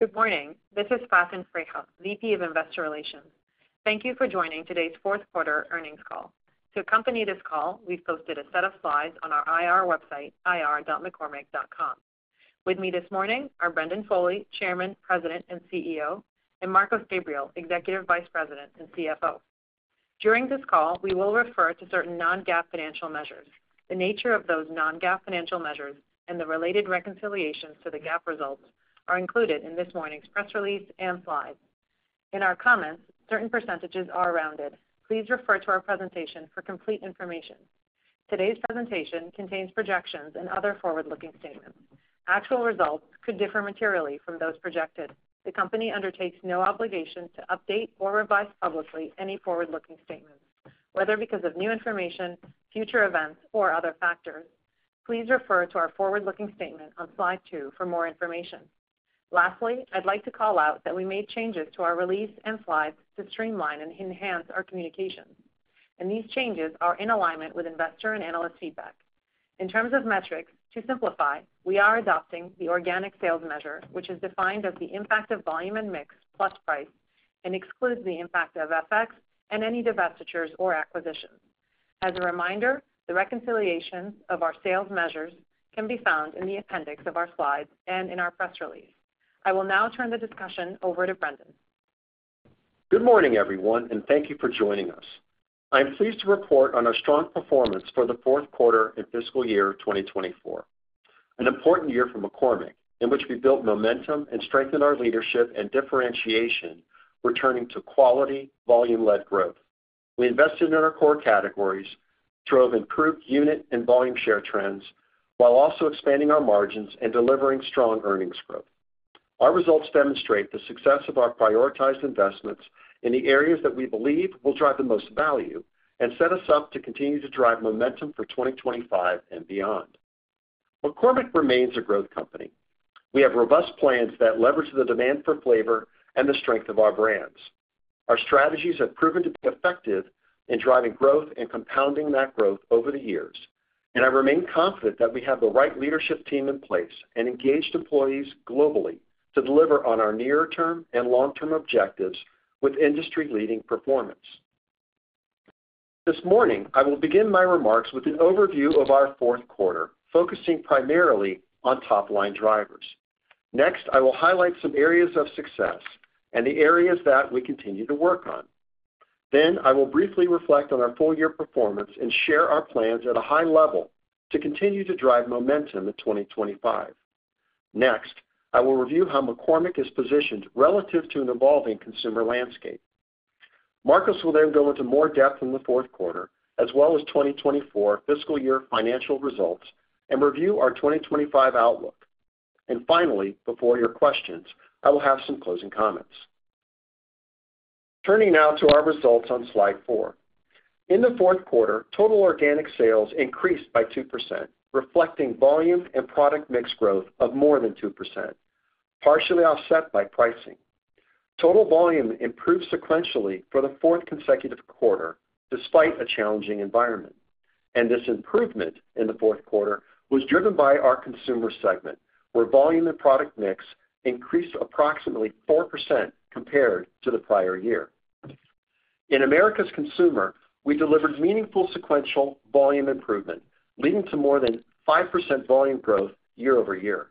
Good morning. This is Faten Freiha, VP of Investor Relations. Thank you for joining today's fourth quarter earnings call. To accompany this call, we've posted a set of slides on our IR website, ir.mccormick.com. With me this morning are Brendan Foley, Chairman, President, and CEO, and Marcos Gabriel, Executive Vice President and CFO. During this call, we will refer to certain non-GAAP financial measures. The nature of those non-GAAP financial measures and the related reconciliations to the GAAP results are included in this morning's press release and slides. In our comments, certain percentages are rounded. Please refer to our presentation for complete information. Today's presentation contains projections and other forward-looking statements. Actual results could differ materially from those projected. The company undertakes no obligation to update or revise publicly any forward-looking statements, whether because of new information, future events, or other factors. Please refer to our forward-looking statement on slide two for more information. Lastly, I'd like to call out that we made changes to our release and slides to streamline and enhance our communications, and these changes are in alignment with investor and analyst feedback. In terms of metrics, to simplify, we are adopting the organic sales measure, which is defined as the impact of volume and mix plus price, and excludes the impact of FX and any divestitures or acquisitions. As a reminder, the reconciliations of our sales measures can be found in the appendix of our slides and in our press release. I will now turn the discussion over to Brendan. Good morning, everyone, and thank you for joining us. I'm pleased to report on our strong performance for the fourth quarter in fiscal year 2024, an important year for McCormick, in which we built momentum and strengthened our leadership and differentiation, returning to quality, volume-led growth. We invested in our core categories, drove improved unit and volume share trends, while also expanding our margins and delivering strong earnings growth. Our results demonstrate the success of our prioritized investments in the areas that we believe will drive the most value and set us up to continue to drive momentum for 2025 and beyond. McCormick remains a growth company. We have robust plans that leverage the demand for flavor and the strength of our brands. Our strategies have proven to be effective in driving growth and compounding that growth over the years, and I remain confident that we have the right leadership team in place and engaged employees globally to deliver on our near-term and long-term objectives with industry-leading performance. This morning, I will begin my remarks with an overview of our fourth quarter, focusing primarily on top-line drivers. Next, I will highlight some areas of success and the areas that we continue to work on. Then, I will briefly reflect on our full-year performance and share our plans at a high level to continue to drive momentum in 2025. Next, I will review how McCormick is positioned relative to an evolving consumer landscape. Marcos will then go into more depth in the fourth quarter, as well as 2024 fiscal year financial results, and review our 2025 outlook. Finally, before your questions, I will have some closing comments. Turning now to our results on slide four. In the fourth quarter, total organic sales increased by 2%, reflecting volume and product mix growth of more than 2%, partially offset by pricing. Total volume improved sequentially for the fourth consecutive quarter, despite a challenging environment. This improvement in the fourth quarter was driven by our consumer segment, where volume and product mix increased approximately 4% compared to the prior year. In Americas consumer, we delivered meaningful sequential volume improvement, leading to more than 5% volume growth year-over-year.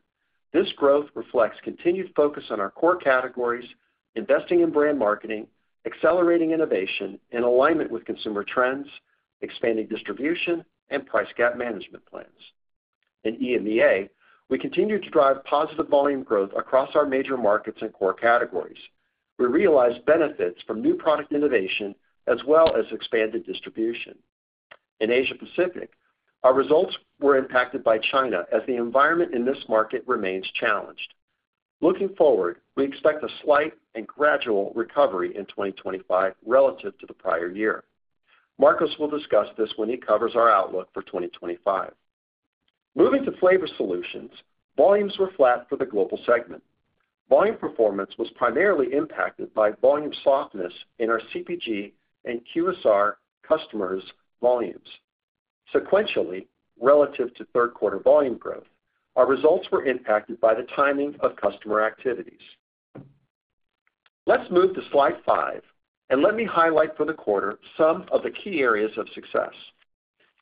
This growth reflects continued focus on our core categories, investing in brand marketing, accelerating innovation, and alignment with consumer trends, expanding distribution, and price gap management plans. In EMEA, we continued to drive positive volume growth across our major markets and core categories. We realized benefits from new product innovation as well as expanded distribution. In Asia Pacific, our results were impacted by China as the environment in this market remains challenged. Looking forward, we expect a slight and gradual recovery in 2025 relative to the prior year. Marcos will discuss this when he covers our outlook for 2025. Moving to Flavor Solutions, volumes were flat for the global segment. Volume performance was primarily impacted by volume softness in our CPG and QSR customers' volumes. Sequentially, relative to third-quarter volume growth, our results were impacted by the timing of customer activities. Let's move to slide five, and let me highlight for the quarter some of the key areas of success.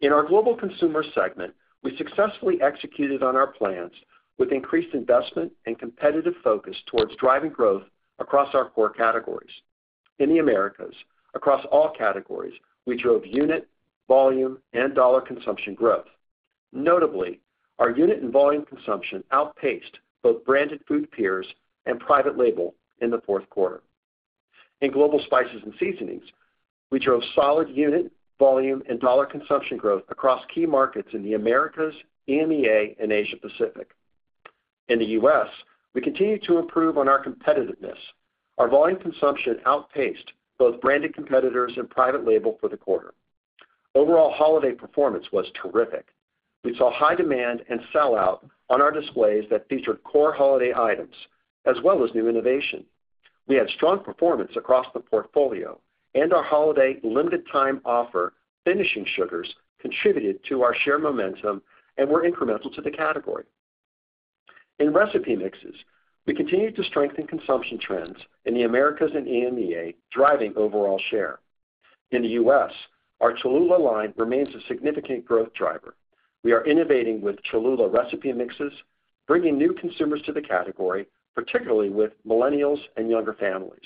In our global consumer segment, we successfully executed on our plans with increased investment and competitive focus towards driving growth across our core categories. In the Americas, across all categories, we drove unit, volume, and dollar consumption growth. Notably, our unit and volume consumption outpaced both branded food peers and private label in the fourth quarter. In global spices and seasonings, we drove solid unit, volume, and dollar consumption growth across key markets in the Americas, EMEA, and Asia Pacific. In the U.S., we continued to improve on our competitiveness. Our volume consumption outpaced both branded competitors and private label for the quarter. Overall holiday performance was terrific. We saw high demand and sellout on our displays that featured core holiday items as well as new innovation. We had strong performance across the portfolio, and our holiday limited-time offer finishing sugars contributed to our share momentum and were incremental to the category. In recipe mixes, we continued to strengthen consumption trends in the Americas and EMEA, driving overall share. In the U.S., our Cholula line remains a significant growth driver. We are innovating with Cholula recipe mixes, bringing new consumers to the category, particularly with millennials and younger families.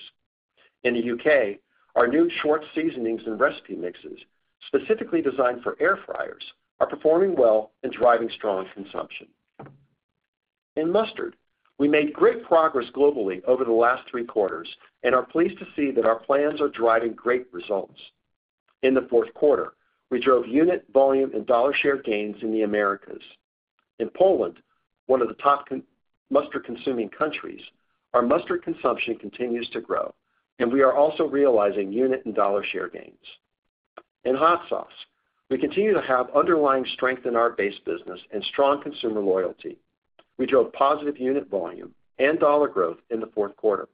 In the U.K., our new Schwartz seasonings and recipe mixes, specifically designed for air fryers, are performing well and driving strong consumption. In mustard, we made great progress globally over the last three quarters and are pleased to see that our plans are driving great results. In the fourth quarter, we drove unit, volume, and dollar share gains in the Americas. In Poland, one of the top mustard-consuming countries, our mustard consumption continues to grow, and we are also realizing unit and dollar share gains. In hot sauce, we continue to have underlying strength in our base business and strong consumer loyalty. We drove positive unit volume and dollar growth in the fourth quarter,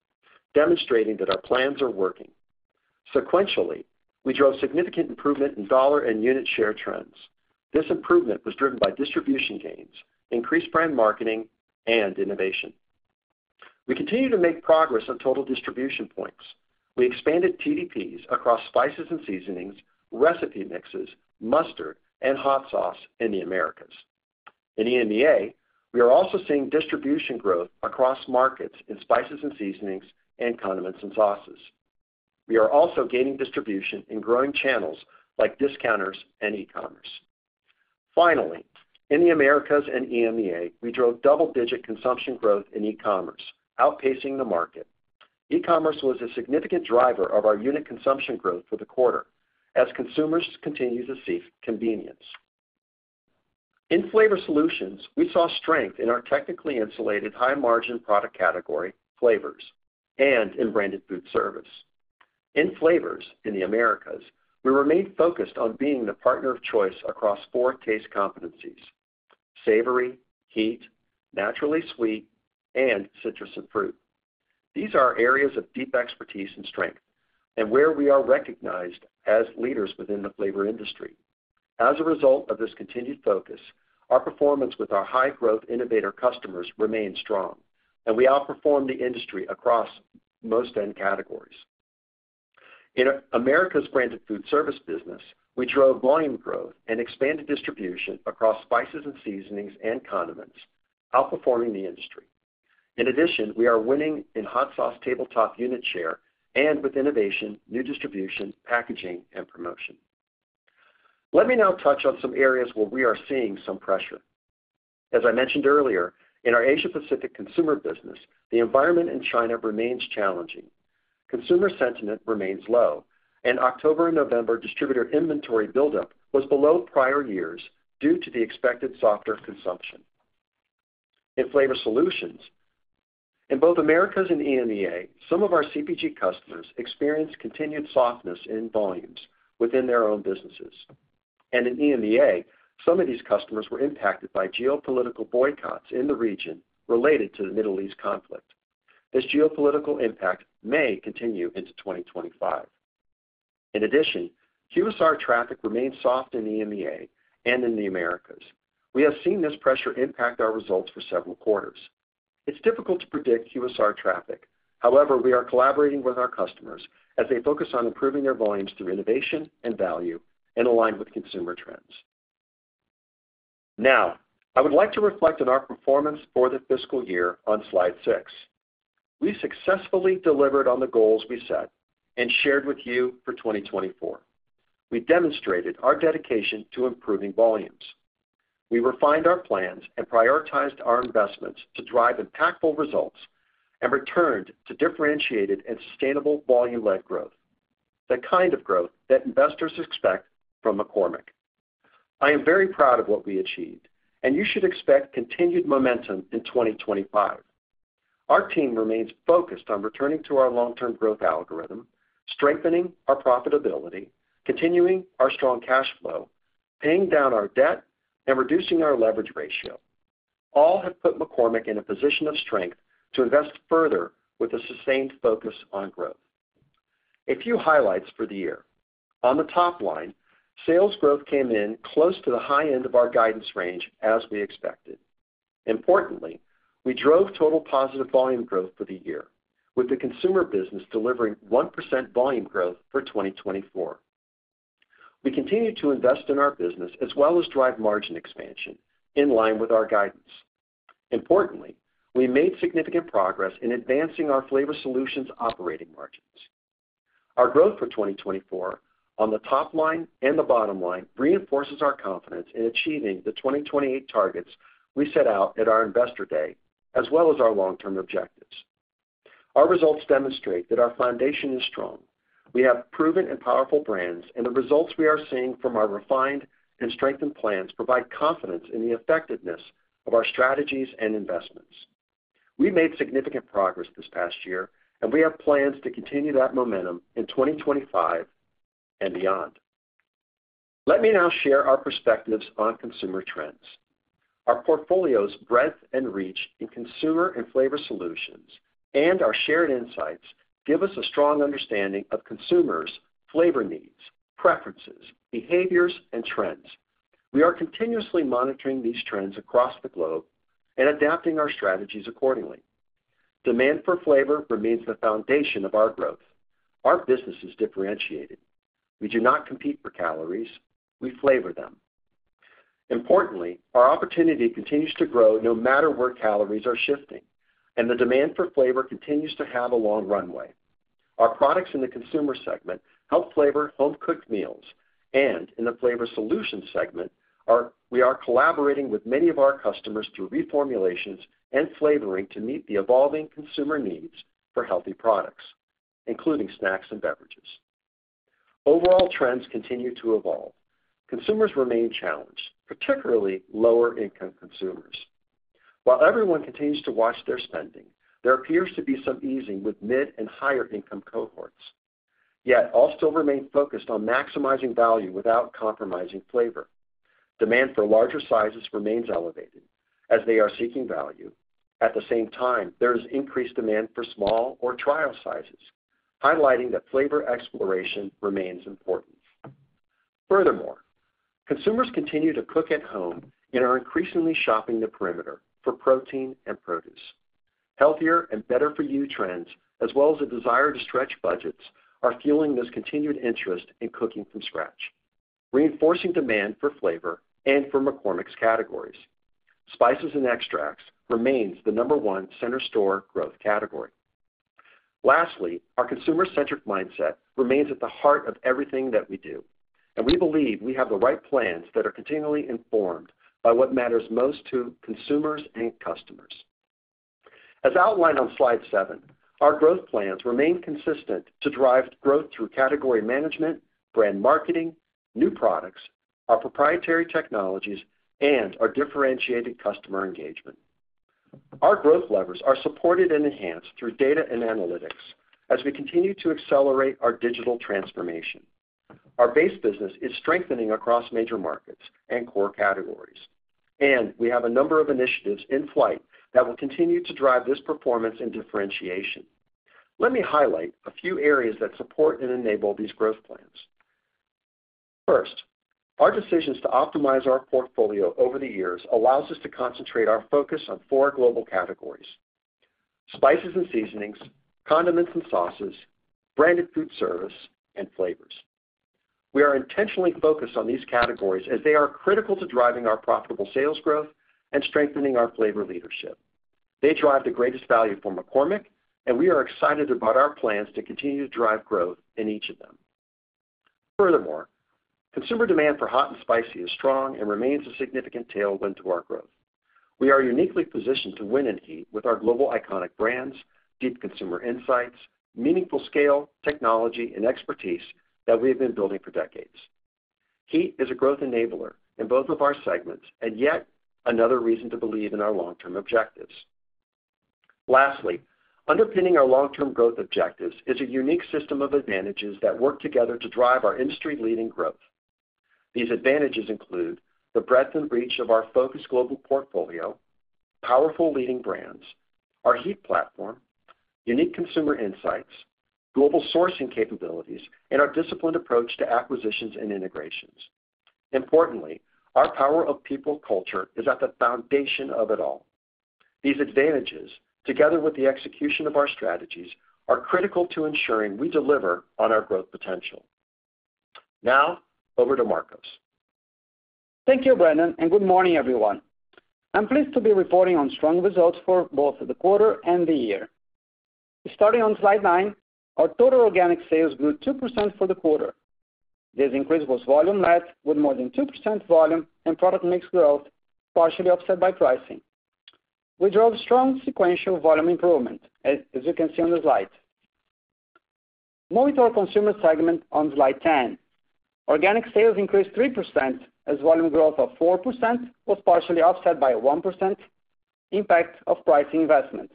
demonstrating that our plans are working. Sequentially, we drove significant improvement in dollar and unit share trends. This improvement was driven by distribution gains, increased brand marketing, and innovation. We continue to make progress on total distribution points. We expanded TDPs across spices and seasonings, recipe mixes, mustard, and hot sauce in the Americas. In EMEA, we are also seeing distribution growth across markets in spices and seasonings and condiments and sauces. We are also gaining distribution in growing channels like discounters and e-commerce. Finally, in the Americas and EMEA, we drove double-digit consumption growth in e-commerce, outpacing the market. E-commerce was a significant driver of our unit consumption growth for the quarter, as consumers continue to seek convenience. In flavor solutions, we saw strength in our technically insulated high-margin product category, flavors, and in branded food service. In flavors in the Americas, we remained focused on being the partner of choice across four taste competencies: savory, heat, naturally sweet, and citrus and fruit. These are areas of deep expertise and strength, and where we are recognized as leaders within the flavor industry. As a result of this continued focus, our performance with our high-growth innovator customers remained strong, and we outperformed the industry across most end categories. In America's branded food service business, we drove volume growth and expanded distribution across spices and seasonings and condiments, outperforming the industry. In addition, we are winning in hot sauce tabletop unit share and with innovation, new distribution, packaging, and promotion. Let me now touch on some areas where we are seeing some pressure. As I mentioned earlier, in our Asia Pacific consumer business, the environment in China remains challenging. Consumer sentiment remains low, and October and November distributor inventory buildup was below prior years due to the expected softer consumption. In flavor solutions, in both Americas and EMEA, some of our CPG customers experienced continued softness in volumes within their own businesses. In EMEA, some of these customers were impacted by geopolitical boycotts in the region related to the Middle East conflict. This geopolitical impact may continue into 2025. In addition, QSR traffic remains soft in EMEA and in the Americas. We have seen this pressure impact our results for several quarters. It's difficult to predict QSR traffic. However, we are collaborating with our customers as they focus on improving their volumes through innovation and value and align with consumer trends. Now, I would like to reflect on our performance for the fiscal year on slide six. We successfully delivered on the goals we set and shared with you for 2024. We demonstrated our dedication to improving volumes. We refined our plans and prioritized our investments to drive impactful results and returned to differentiated and sustainable volume-led growth, the kind of growth that investors expect from McCormick. I am very proud of what we achieved, and you should expect continued momentum in 2025. Our team remains focused on returning to our long-term growth algorithm, strengthening our profitability, continuing our strong cash flow, paying down our debt, and reducing our leverage ratio. All have put McCormick in a position of strength to invest further with a sustained focus on growth. A few highlights for the year. On the top line, sales growth came in close to the high end of our guidance range, as we expected. Importantly, we drove total positive volume growth for the year, with the consumer business delivering 1% volume growth for 2024. We continue to invest in our business as well as drive margin expansion in line with our guidance. Importantly, we made significant progress in advancing our flavor solutions' operating margins. Our growth for 2024 on the top line and the bottom line reinforces our confidence in achieving the 2028 targets we set out at our investor day, as well as our long-term objectives. Our results demonstrate that our foundation is strong. We have proven and powerful brands, and the results we are seeing from our refined and strengthened plans provide confidence in the effectiveness of our strategies and investments. We made significant progress this past year, and we have plans to continue that momentum in 2025 and beyond. Let me now share our perspectives on consumer trends. Our portfolios' breadth and reach in consumer and flavor solutions and our shared insights give us a strong understanding of consumers' flavor needs, preferences, behaviors, and trends. We are continuously monitoring these trends across the globe and adapting our strategies accordingly. Demand for flavor remains the foundation of our growth. Our business is differentiated. We do not compete for calories. We flavor them. Importantly, our opportunity continues to grow no matter where calories are shifting, and the demand for flavor continues to have a long runway. Our products in the consumer segment help flavor home-cooked meals, and in the flavor solutions segment, we are collaborating with many of our customers through reformulations and flavoring to meet the evolving consumer needs for healthy products, including snacks and beverages. Overall trends continue to evolve. Consumers remain challenged, particularly lower-income consumers. While everyone continues to watch their spending, there appears to be some easing with mid and higher-income cohorts. Yet, all still remain focused on maximizing value without compromising flavor. Demand for larger sizes remains elevated as they are seeking value. At the same time, there is increased demand for small or trial sizes, highlighting that flavor exploration remains important. Furthermore, consumers continue to cook at home and are increasingly shopping the perimeter for protein and produce. Healthier and better-for-you trends, as well as a desire to stretch budgets, are fueling this continued interest in cooking from scratch, reinforcing demand for flavor and for McCormick's categories. Spices and extracts remain the number one center store growth category. Lastly, our consumer-centric mindset remains at the heart of everything that we do, and we believe we have the right plans that are continually informed by what matters most to consumers and customers. As outlined on slide seven, our growth plans remain consistent to drive growth through category management, brand marketing, new products, our proprietary technologies, and our differentiated customer engagement. Our growth levers are supported and enhanced through data and analytics as we continue to accelerate our digital transformation. Our base business is strengthening across major markets and core categories, and we have a number of initiatives in flight that will continue to drive this performance and differentiation. Let me highlight a few areas that support and enable these growth plans. First, our decisions to optimize our portfolio over the years allow us to concentrate our focus on four global categories: spices and seasonings, condiments and sauces, branded food service, and flavors. We are intentionally focused on these categories as they are critical to driving our profitable sales growth and strengthening our flavor leadership. They drive the greatest value for McCormick, and we are excited about our plans to continue to drive growth in each of them. Furthermore, consumer demand for hot and spicy is strong and remains a significant tailwind to our growth. We are uniquely positioned to win in heat with our global iconic brands, deep consumer insights, meaningful scale, technology, and expertise that we have been building for decades. Heat is a growth enabler in both of our segments and yet another reason to believe in our long-term objectives. Lastly, underpinning our long-term growth objectives is a unique system of advantages that work together to drive our industry-leading growth. These advantages include the breadth and reach of our focused global portfolio, powerful leading brands, our heat platform, unique consumer insights, global sourcing capabilities, and our disciplined approach to acquisitions and integrations. Importantly, our Power of People culture is at the foundation of it all. These advantages, together with the execution of our strategies, are critical to ensuring we deliver on our growth potential. Now, over to Marcos. Thank you, Brendan, and good morning, everyone. I'm pleased to be reporting on strong results for both the quarter and the year. Starting on slide nine, our total organic sales grew 2% for the quarter. This increase was volume-led, with more than 2% volume and product mix growth partially offset by pricing. We drove strong sequential volume improvement, as you can see on the slide. Moving to our consumer segment on slide 10, organic sales increased 3% as volume growth of 4% was partially offset by a 1% impact of pricing investments.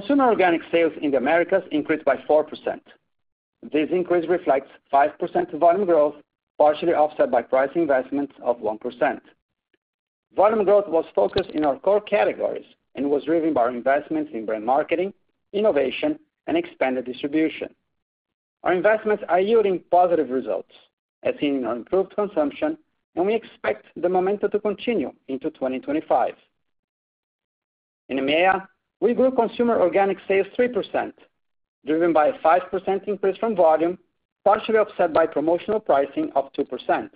Consumer organic sales in the Americas increased by 4%. This increase reflects 5% volume growth, partially offset by pricing investments of 1%. Volume growth was focused in our core categories and was driven by our investments in brand marketing, innovation, and expanded distribution. Our investments are yielding positive results, as seen in our improved consumption, and we expect the momentum to continue into 2025. In EMEA, we grew consumer organic sales 3%, driven by a 5% increase from volume, partially offset by promotional pricing of 2%.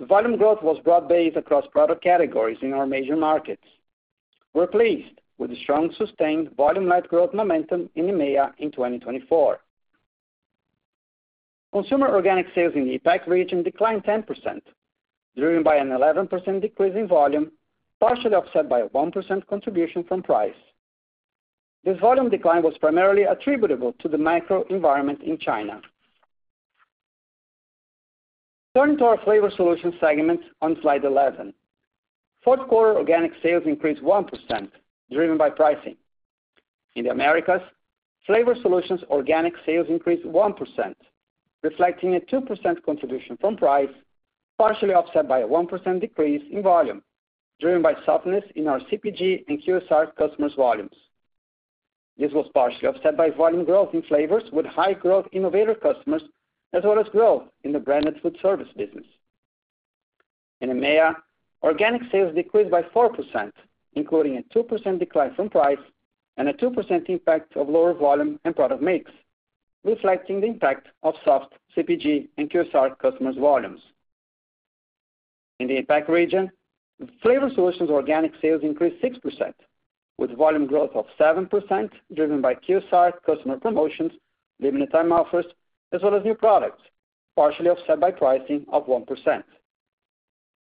Volume growth was broad-based across product categories in our major markets. We're pleased with the strong, sustained volume-led growth momentum in EMEA in 2024. Consumer organic sales in the APAC region declined 10%, driven by an 11% decrease in volume, partially offset by a 1% contribution from price. This volume decline was primarily attributable to the macro environment in China. Turning to our flavor solutions segment on slide 11, fourth quarter organic sales increased 1%, driven by pricing. In the Americas, flavor solutions organic sales increased 1%, reflecting a 2% contribution from price, partially offset by a 1% decrease in volume, driven by softness in our CPG and QSR customers' volumes. This was partially offset by volume growth in flavors with high-growth innovator customers, as well as growth in the branded food service business. In EMEA, organic sales decreased by 4%, including a 2% decline from price and a 2% impact of lower volume and product mix, reflecting the impact of soft CPG and QSR customers' volumes. In the APAC region, flavor solutions organic sales increased 6%, with volume growth of 7%, driven by QSR customer promotions, limited-time offers, as well as new products, partially offset by pricing of 1%.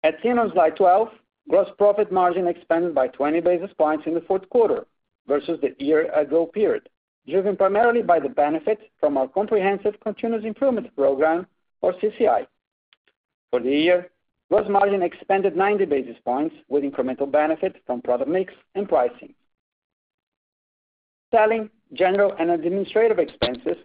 As seen on slide 12, gross profit margin expanded by 20 basis points in the fourth quarter versus the year-ago period, driven primarily by the benefit from our comprehensive continuous improvement program, or CCI. For the year, gross margin expanded 90 basis points with incremental benefit from product mix and pricing. Selling, general, and administrative expenses,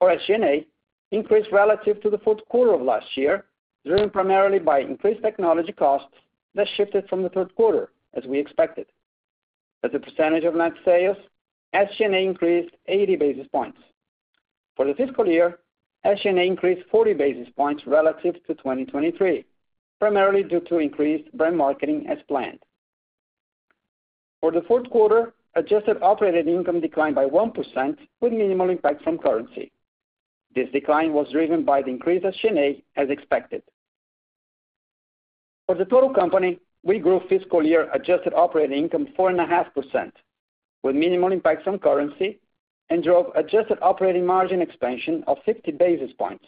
or SG&A, increased relative to the fourth quarter of last year, driven primarily by increased technology costs that shifted from the third quarter, as we expected. As a percentage of net sales, SG&A increased 80 basis points. For the fiscal year, SG&A increased 40 basis points relative to 2023, primarily due to increased brand marketing as planned. For the fourth quarter, adjusted operating income declined by 1%, with minimal impact from currency. This decline was driven by the increased SG&A, as expected. For the total company, we grew fiscal year adjusted operating income 4.5%, with minimal impact from currency, and drove adjusted operating margin expansion of 50 basis points,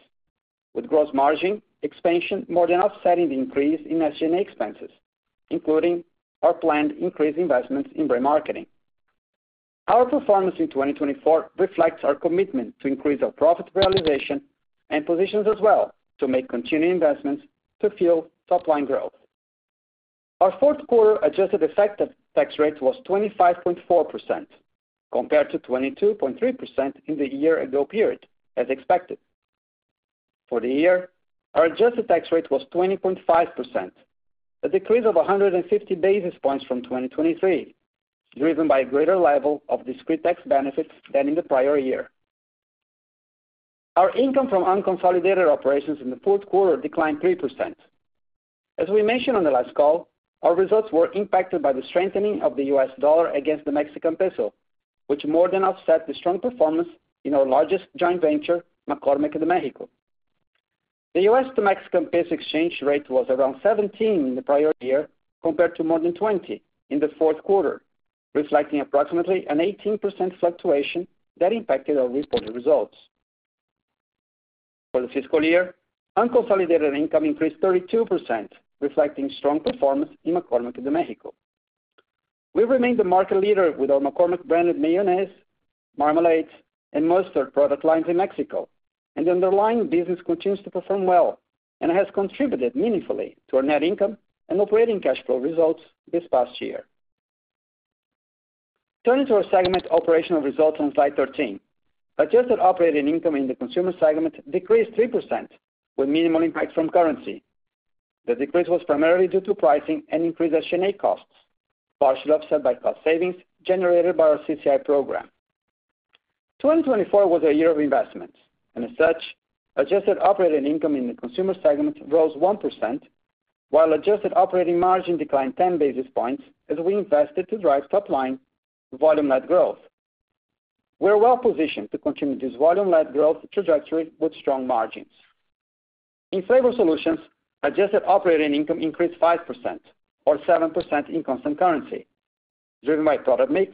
with gross margin expansion more than offsetting the increase in SG&A expenses, including our planned increased investments in brand marketing. Our performance in 2024 reflects our commitment to increase our profit realization and positions as well to make continued investments to fuel top-line growth. Our fourth quarter adjusted effective tax rate was 25.4%, compared to 22.3% in the year-ago period, as expected. For the year, our adjusted tax rate was 20.5%, a decrease of 150 basis points from 2023, driven by a greater level of discrete tax benefits than in the prior year. Our income from unconsolidated operations in the fourth quarter declined 3%. As we mentioned on the last call, our results were impacted by the strengthening of the U.S. dollar against the Mexican peso, which more than offset the strong performance in our largest joint venture, McCormick de México. The U.S. to Mexican peso exchange rate was around 17 in the prior year, compared to more than 20 in the fourth quarter, reflecting approximately an 18% fluctuation that impacted our reported results. For the fiscal year, unconsolidated income increased 32%, reflecting strong performance in McCormick de México. We remained the market leader with our McCormick branded mayonnaise, marmalade, and mustard product lines in Mexico, and the underlying business continues to perform well and has contributed meaningfully to our net income and operating cash flow results this past year. Turning to our segment operational results on slide 13, adjusted operating income in the consumer segment decreased 3%, with minimal impact from currency. The decrease was primarily due to pricing and increased SG&A costs, partially offset by cost savings generated by our CCI program. 2024 was a year of investments, and as such, adjusted operating income in the consumer segment rose 1%, while adjusted operating margin declined 10 basis points as we invested to drive top-line volume-led growth. We are well-positioned to continue this volume-led growth trajectory with strong margins. In flavor solutions, adjusted operating income increased 5%, or 7% in constant currency, driven by product mix,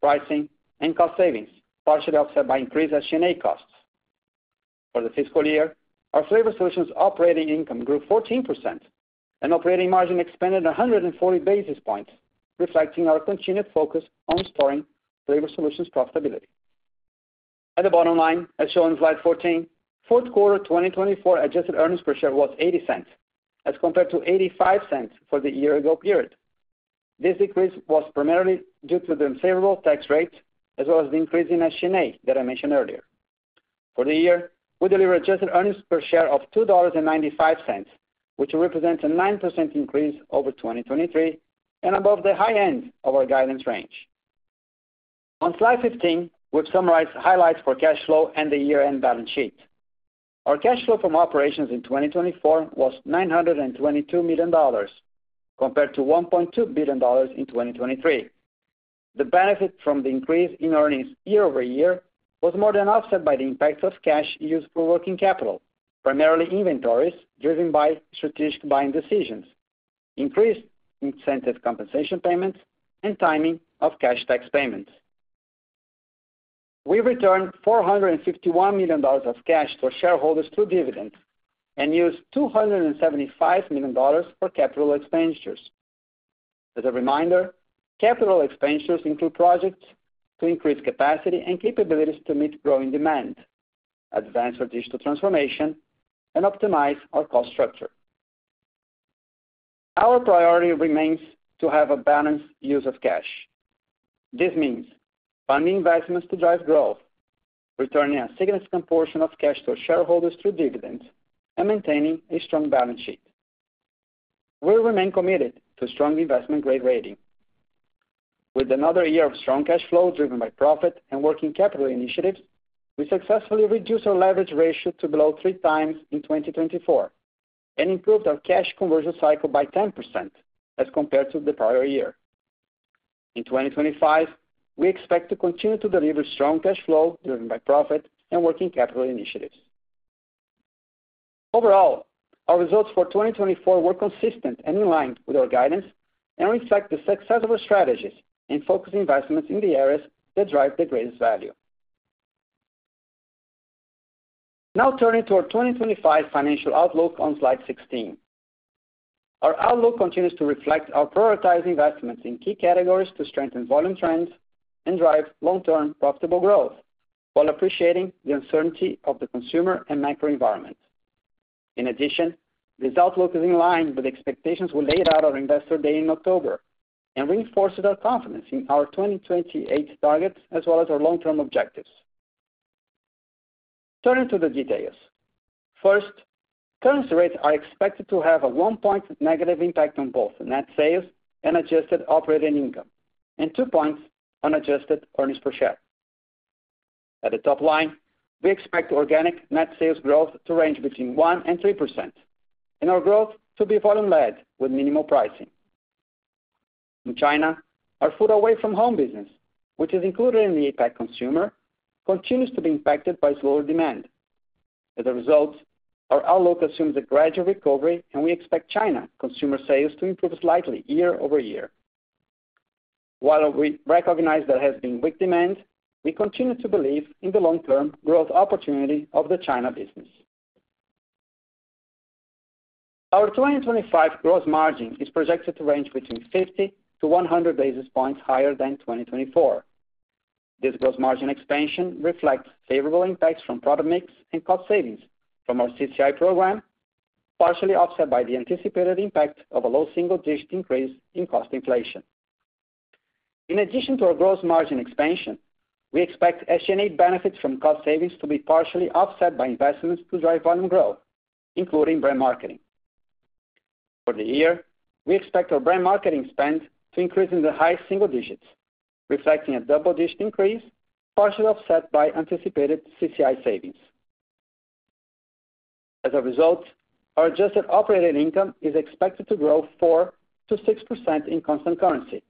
pricing, and cost savings, partially offset by increased SG&A costs. For the fiscal year, our flavor solutions operating income grew 14%, and operating margin expanded 140 basis points, reflecting our continued focus on stronger flavor solutions profitability. At the bottom line, as shown in slide 14, fourth quarter 2024 adjusted earnings per share was $0.80, as compared to $0.85 for the year-ago period. This decrease was primarily due to the favorable tax rate, as well as the increase in SG&A that I mentioned earlier. For the year, we delivered adjusted earnings per share of $2.95, which represents a 9% increase over 2023 and above the high end of our guidance range. On slide 15, we've summarized highlights for cash flow and the year-end balance sheet. Our cash flow from operations in 2024 was $922 million, compared to $1.2 billion in 2023. The benefit from the increase in earnings year-over-year was more than offset by the impact of cash used for working capital, primarily inventories driven by strategic buying decisions, increased incentive compensation payments, and timing of cash tax payments. We returned $451 million of cash to our shareholders through dividends and used $275 million for capital expenditures. As a reminder, capital expenditures include projects to increase capacity and capabilities to meet growing demand, advance strategic transformation, and optimize our cost structure. Our priority remains to have a balanced use of cash. This means funding investments to drive growth, returning a significant portion of cash to our shareholders through dividends, and maintaining a strong balance sheet. We remain committed to strong investment-grade rating. With another year of strong cash flow driven by profit and working capital initiatives, we successfully reduced our leverage ratio to below three times in 2024 and improved our cash conversion cycle by 10% as compared to the prior year. In 2025, we expect to continue to deliver strong cash flow driven by profit and working capital initiatives. Overall, our results for 2024 were consistent and in line with our guidance and reflect the success of our strategies in focusing investments in the areas that drive the greatest value. Now, turning to our 2025 financial outlook on slide 16, our outlook continues to reflect our prioritized investments in key categories to strengthen volume trends and drive long-term profitable growth while appreciating the uncertainty of the consumer and macro environment. In addition, this outlook is in line with the expectations we laid out on our Investor Day in October and reinforces our confidence in our 2028 targets as well as our long-term objectives. Turning to the details, first, currency rates are expected to have a 1-point negative impact on both net sales and adjusted operating income, and 2 points on adjusted earnings per share. At the top line, we expect organic net sales growth to range between 1% and 3%, and our growth to be volume-led with minimal pricing. In China, our Food Away From Home business, which is included in the APAC consumer, continues to be impacted by slower demand. As a result, our outlook assumes a gradual recovery, and we expect China consumer sales to improve slightly year-over-year. While we recognize there has been weak demand, we continue to believe in the long-term growth opportunity of the China business. Our 2025 gross margin is projected to range between 50 to 100 basis points higher than 2024. This gross margin expansion reflects favorable impacts from product mix and cost savings from our CCI program, partially offset by the anticipated impact of a low single-digit increase in cost inflation. In addition to our gross margin expansion, we expect SG&A benefits from cost savings to be partially offset by investments to drive volume growth, including brand marketing. For the year, we expect our brand marketing spend to increase in the high single digits, reflecting a double-digit increase, partially offset by anticipated CCI savings. As a result, our adjusted operating income is expected to grow 4% to 6% in constant currency,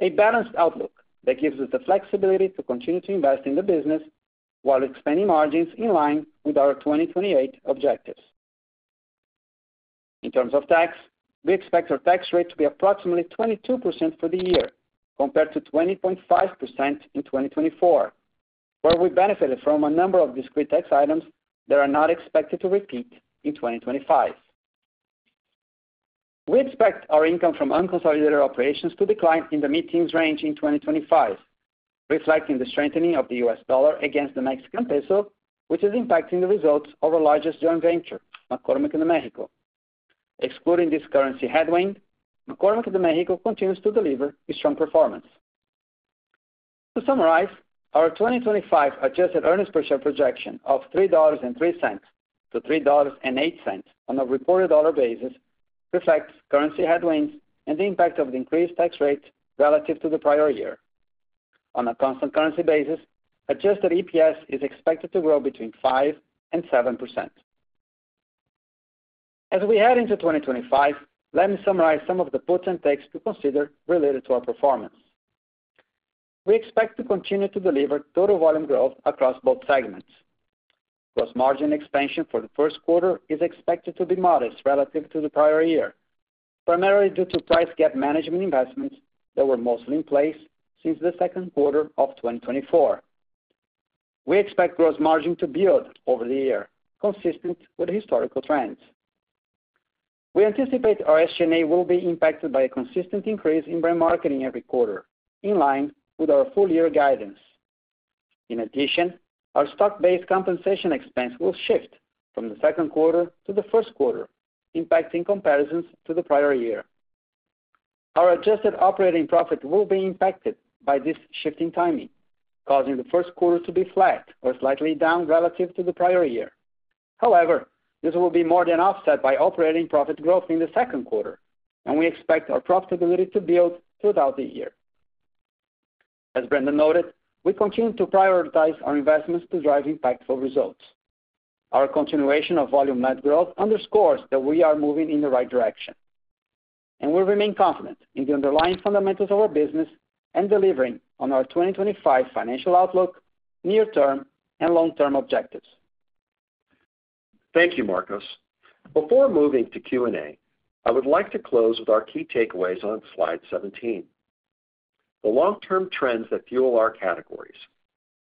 a balanced outlook that gives us the flexibility to continue to invest in the business while expanding margins in line with our 2028 objectives. In terms of tax, we expect our tax rate to be approximately 22% for the year, compared to 20.5% in 2024, where we benefited from a number of discrete tax items that are not expected to repeat in 2025. We expect our income from unconsolidated operations to decline in the mid-teens range in 2025, reflecting the strengthening of the U.S. dollar against the Mexican peso, which is impacting the results of our largest joint venture, McCormick de México. Excluding this currency headwind, McCormick de México continues to deliver a strong performance. To summarize, our 2025 adjusted earnings per share projection of $3.03-$3.08 on a reported dollar basis reflects currency headwinds and the impact of the increased tax rate relative to the prior year. On a constant currency basis, adjusted EPS is expected to grow between 5% and 7%. As we head into 2025, let me summarize some of the puts and takes to consider related to our performance. We expect to continue to deliver total volume growth across both segments. Gross margin expansion for the first quarter is expected to be modest relative to the prior year, primarily due to price gap management investments that were mostly in place since the second quarter of 2024. We expect gross margin to build over the year, consistent with historical trends. We anticipate our SG&A will be impacted by a consistent increase in brand marketing every quarter, in line with our full-year guidance. In addition, our stock-based compensation expense will shift from the second quarter to the first quarter, impacting comparisons to the prior year. Our adjusted operating profit will be impacted by this shift in timing, causing the first quarter to be flat or slightly down relative to the prior year. However, this will be more than offset by operating profit growth in the second quarter, and we expect our profitability to build throughout the year. As Brendan noted, we continue to prioritize our investments to drive impactful results. Our continuation of volume-led growth underscores that we are moving in the right direction, and we remain confident in the underlying fundamentals of our business and delivering on our 2025 financial outlook, near-term, and long-term objectives. Thank you, Marcos. Before moving to Q&A, I would like to close with our key takeaways on slide 17. The long-term trends that fuel our categories,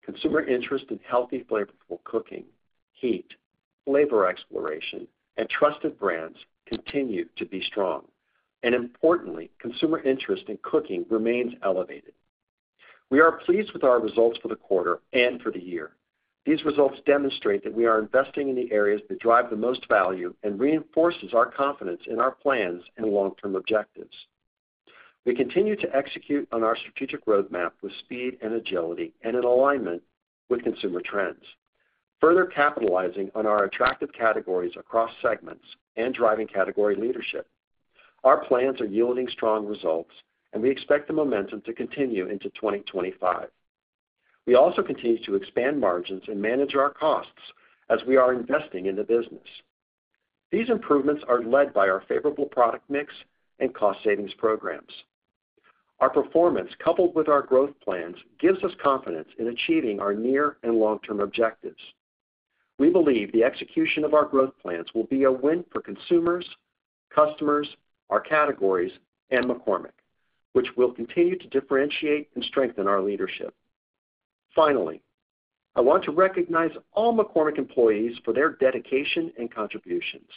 consumer interest in healthy flavorful cooking, heat, flavor exploration, and trusted brands, continue to be strong, and importantly, consumer interest in cooking remains elevated. We are pleased with our results for the quarter and for the year. These results demonstrate that we are investing in the areas that drive the most value and reinforce our confidence in our plans and long-term objectives. We continue to execute on our strategic roadmap with speed and agility and in alignment with consumer trends, further capitalizing on our attractive categories across segments and driving category leadership. Our plans are yielding strong results, and we expect the momentum to continue into 2025. We also continue to expand margins and manage our costs as we are investing in the business. These improvements are led by our favorable product mix and cost savings programs. Our performance, coupled with our growth plans, gives us confidence in achieving our near and long-term objectives. We believe the execution of our growth plans will be a win for consumers, customers, our categories, and McCormick, which will continue to differentiate and strengthen our leadership. Finally, I want to recognize all McCormick employees for their dedication and contributions,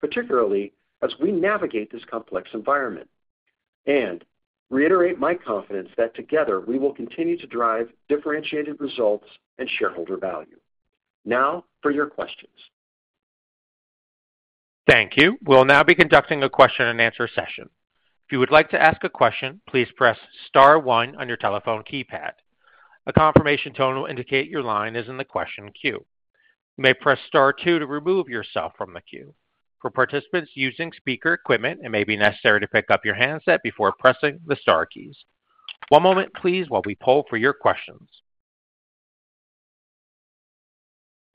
particularly as we navigate this complex environment, and reiterate my confidence that together we will continue to drive differentiated results and shareholder value. Now, for your questions. Thank you. We'll now be conducting a question-and-answer session. If you would like to ask a question, please press star one on your telephone keypad. A confirmation tone will indicate your line is in the question queue. You may press star two to remove yourself from the queue. For participants using speaker equipment, it may be necessary to pick up your handset before pressing the star keys. One moment, please, while we poll for your questions.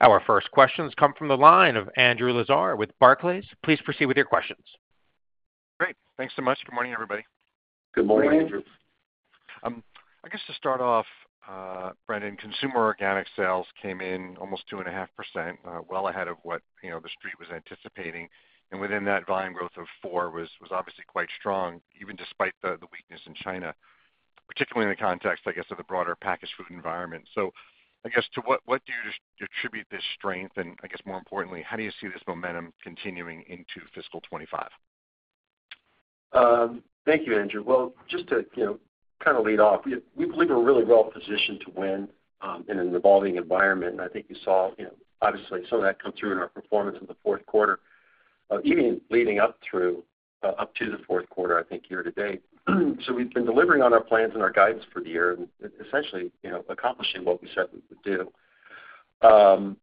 Our first questions come from the line of Andrew Lazar with Barclays. Please proceed with your questions. Great. Thanks so much. Good morning, everybody. Good morning, Andrew. I guess to start off, Brendan, consumer organic sales came in almost 2.5%, well ahead of what the street was anticipating, and within that volume growth of four was obviously quite strong, even despite the weakness in China, particularly in the context, I guess, of the broader packaged food environment. So I guess to what do you attribute this strength, and I guess more importantly, how do you see this momentum continuing into fiscal 2025? Thank you, Andrew. Well, just to kind of lead off, we believe we're really well positioned to win in an evolving environment, and I think you saw, obviously, some of that come through in our performance in the fourth quarter, even leading up to the fourth quarter, I think, year to date. So we've been delivering on our plans and our guidance for the year and essentially accomplishing what we said we would do.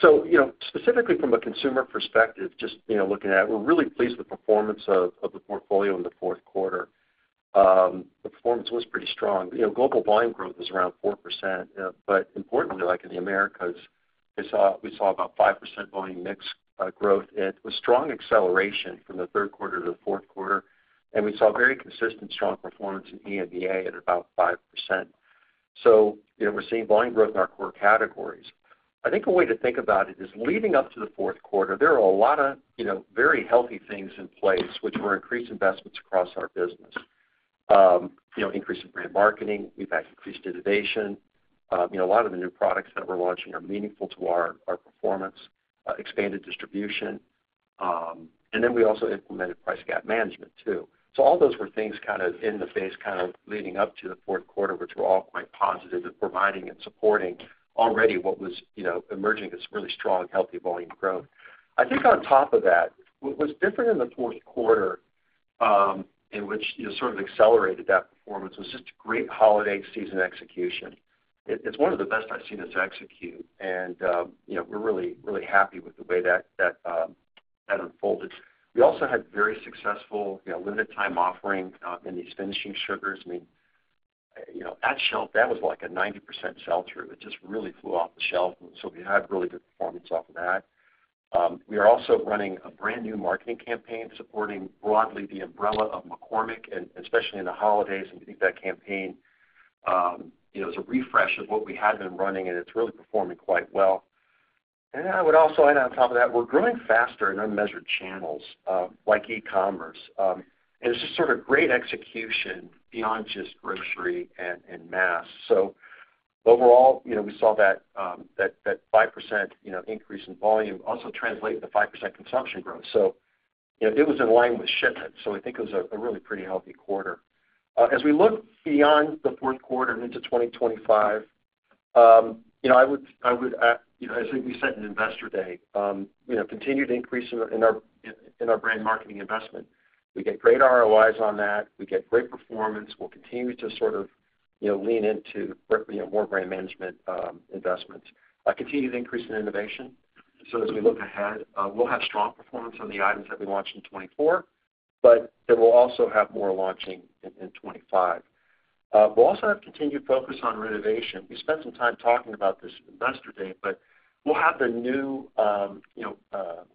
So specifically from a consumer perspective, just looking at it, we're really pleased with the performance of the portfolio in the fourth quarter. The performance was pretty strong. Global volume growth was around 4%, but importantly, like in the Americas, we saw about 5% volume mix growth. It was strong acceleration from the third quarter to the fourth quarter, and we saw very consistent strong performance in EMEA at about 5%. So we're seeing volume growth in our core categories. I think a way to think about it is leading up to the fourth quarter, there are a lot of very healthy things in place, which were increased investments across our business, increase in brand marketing. We've had increased innovation. A lot of the new products that we're launching are meaningful to our performance, expanded distribution, and then we also implemented price gap management too. So all those were things kind of in the phase kind of leading up to the fourth quarter, which were all quite positive and providing and supporting already what was emerging as really strong, healthy volume growth. I think on top of that, what was different in the fourth quarter and which sort of accelerated that performance was just great holiday season execution. It's one of the best I've seen us execute, and we're really, really happy with the way that unfolded. We also had very successful limited-time offering in these Finishing Sugars. I mean, at shelf, that was like a 90% sell-through. It just really flew off the shelf, and so we had really good performance off of that. We are also running a brand new marketing campaign supporting broadly the umbrella of McCormick, and especially in the holidays, and we think that campaign is a refresh of what we had been running, and it's really performing quite well. And I would also add on top of that, we're growing faster in unmeasured channels like e-commerce, and it's just sort of great execution beyond just grocery and mass. So overall, we saw that 5% increase in volume also translate to 5% consumption growth. So it was in line with shipment, so I think it was a really pretty healthy quarter. As we look beyond the fourth quarter and into 2025, I would, as we said in Investor Day, continue to increase in our brand marketing investment. We get great ROIs on that. We get great performance. We'll continue to sort of lean into more brand management investments. Continue to increase in innovation, so as we look ahead, we'll have strong performance on the items that we launched in 2024, but then we'll also have more launching in 2025. We'll also have continued focus on renovation. We spent some time talking about this at Investor Day, but we'll have the new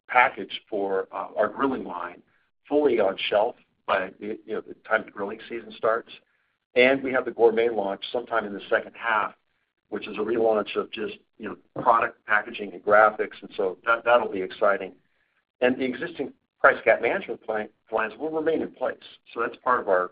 package for our grilling line fully on shelf by the time the grilling season starts, and we have the Gourmet launch sometime in the second half, which is a relaunch of just product packaging and graphics, and so that'll be exciting, and the existing Price Gap Management plans will remain in place, so that's part of our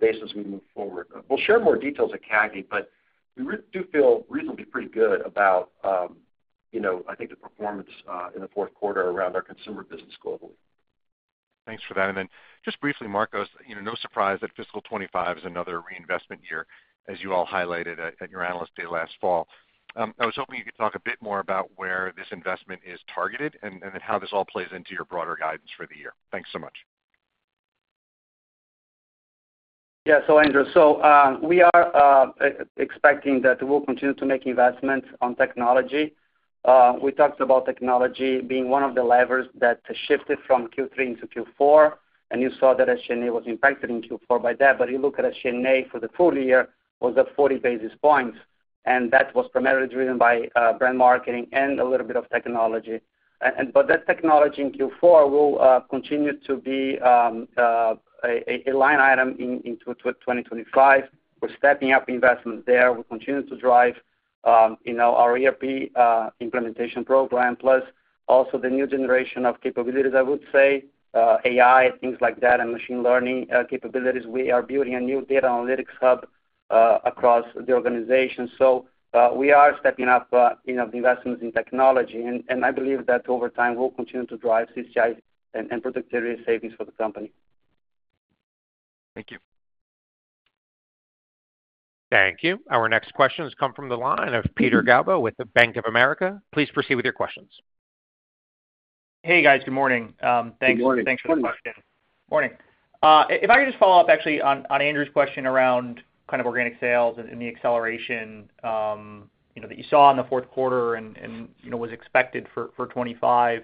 basis as we move forward. We'll share more details at CAGNY, but we do feel reasonably pretty good about, I think, the performance in the fourth quarter around our consumer business globally. Thanks for that. And then just briefly, Marcos, no surprise that fiscal 2025 is another reinvestment year, as you all highlighted at your analyst day last fall. I was hoping you could talk a bit more about where this investment is targeted and then how this all plays into your broader guidance for the year. Thanks so much. Yeah. So, Andrew, so we are expecting that we'll continue to make investments on technology. We talked about technology being one of the levers that shifted from Q3 into Q4, and you saw that SG&A was impacted in Q4 by that. But you look at SG&A for the full year, it was at 40 basis points, and that was primarily driven by brand marketing and a little bit of technology. But that technology in Q4 will continue to be a line item into 2025. We're stepping up investment there. We'll continue to drive our ERP implementation program, plus also the new generation of capabilities, I would say, AI, things like that, and machine learning capabilities. We are building a new data analytics hub across the organization. So we are stepping up the investments in technology, and I believe that over time we'll continue to drive CCI and productivity savings for the company. Thank you. Thank you. Our next question has come from the line of Peter Galbo with the Bank of America. Please proceed with your questions. Hey, guys. Good morning. Thanks for the question. Good morning. Good morning. If I could just follow up, actually, on Andrew's question around kind of organic sales and the acceleration that you saw in the fourth quarter and was expected for 2025.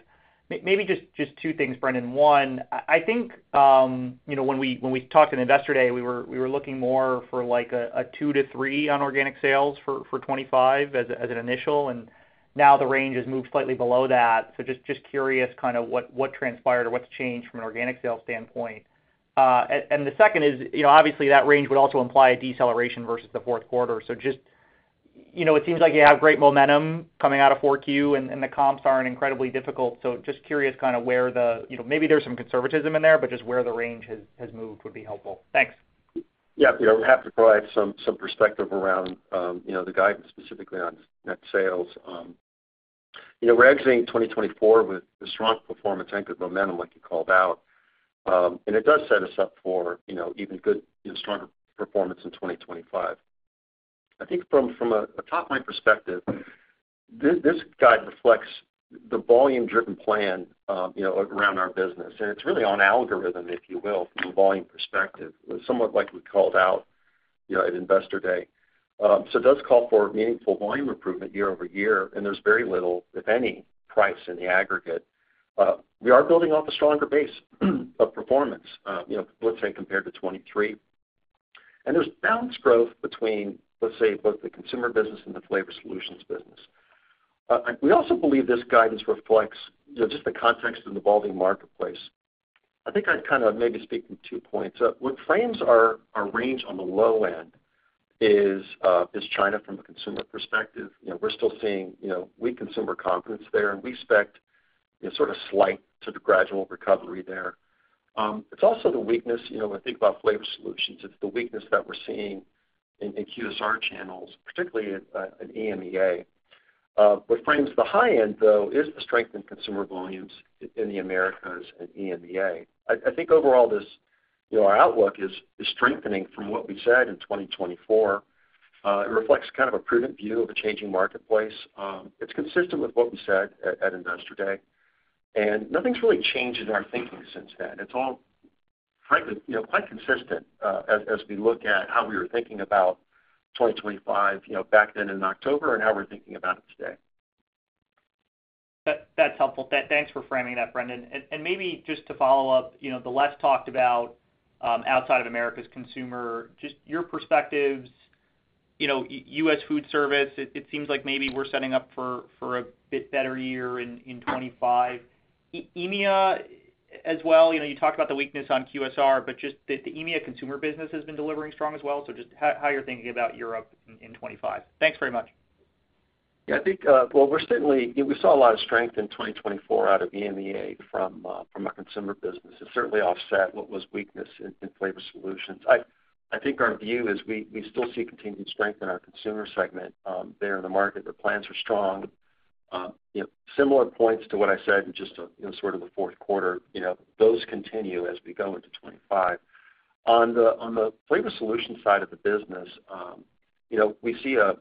Maybe just two things, Brendan. One, I think when we talked at investor day, we were looking more for a 2%-3% on organic sales for 2025 as an initial, and now the range has moved slightly below that. So just curious kind of what transpired or what's changed from an organic sales standpoint. And the second is, obviously, that range would also imply a deceleration versus the fourth quarter. So just it seems like you have great momentum coming out of Q4, and the comps aren't incredibly difficult. So just curious kind of where the maybe there's some conservatism in there, but just where the range has moved would be helpful. Thanks. Yeah. We have to provide some perspective around the guidance specifically on net sales. We're exiting 2024 with strong performance, anchored momentum, like you called out, and it does set us up for even good, stronger performance in 2025. I think from a top-line perspective, this guide reflects the volume-driven plan around our business, and it's really on algorithm, if you will, from a volume perspective. It was somewhat like we called out at investor day. So it does call for meaningful volume improvement year-over-year, and there's very little, if any, price in the aggregate. We are building off a stronger base of performance, let's say, compared to 2023, and there's balanced growth between, let's say, both the consumer business and the flavor solutions business. We also believe this guidance reflects just the context of the evolving marketplace. I think I'd kind of maybe speak from two points. What frames our range on the low end is China from a consumer perspective. We're still seeing weak consumer confidence there, and we expect sort of slight to the gradual recovery there. It's also the weakness when I think about flavor solutions. It's the weakness that we're seeing in QSR channels, particularly in EMEA. What frames the high end, though, is the strength in consumer volumes in the Americas and EMEA. I think overall, our outlook is strengthening from what we said in 2024. It reflects kind of a prudent view of a changing marketplace. It's consistent with what we said at investor day, and nothing's really changed in our thinking since then. It's all, frankly, quite consistent as we look at how we were thinking about 2025 back then in October and how we're thinking about it today. That's helpful. Thanks for framing that, Brendan. And maybe just to follow up, the less talked about outside of Americas consumer, just your perspectives, U.S. Foodservice, it seems like maybe we're setting up for a bit better year in 2025. EMEA as well. You talked about the weakness on QSR, but just the EMEA consumer business has been delivering strong as well. So just how you're thinking about Europe in 2025. Thanks very much. Yeah. I think, well, we saw a lot of strength in 2024 out of EMEA from a consumer business. It certainly offset what was weakness in flavor solutions. I think our view is we still see continued strength in our consumer segment there in the market. The plans are strong. Similar points to what I said in just sort of the fourth quarter. Those continue as we go into 2025. On the flavor solution side of the business, we see a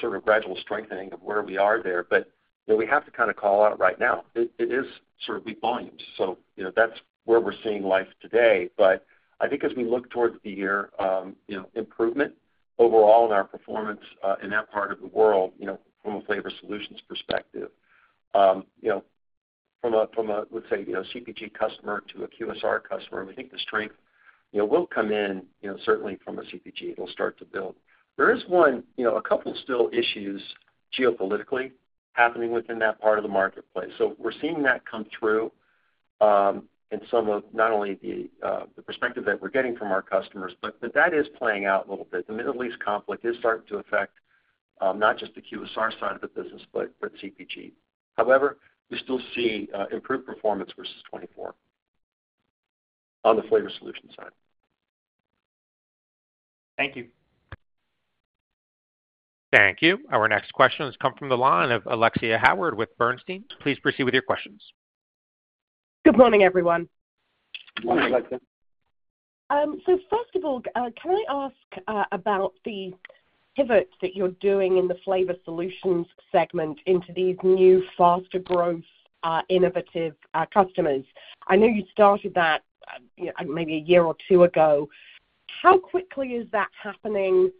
sort of gradual strengthening of where we are there, but we have to kind of call out right now. It is sort of weak volumes. So that's where we're seeing life today. But I think as we look towards the year, improvement overall in our performance in that part of the world from a flavor solutions perspective. From a, let's say, CPG customer to a QSR customer, we think the strength will come in certainly from a CPG. It will start to build. There is a couple still issues geopolitically happening within that part of the marketplace. So we're seeing that come through in some of not only the perspective that we're getting from our customers, but that is playing out a little bit. The Middle East conflict is starting to affect not just the QSR side of the business, but CPG. However, we still see improved performance versus 2024 on the flavor solution side. Thank you. Thank you. Our next question has come from the line of Alexia Howard with Bernstein. Please proceed with your questions. Good morning, everyone. Good morning, Alexia. So first of all, can I ask about the pivot that you're doing in the flavor solutions segment into these new faster growth innovative customers? I know you started that maybe a year or two ago. How quickly is that happening?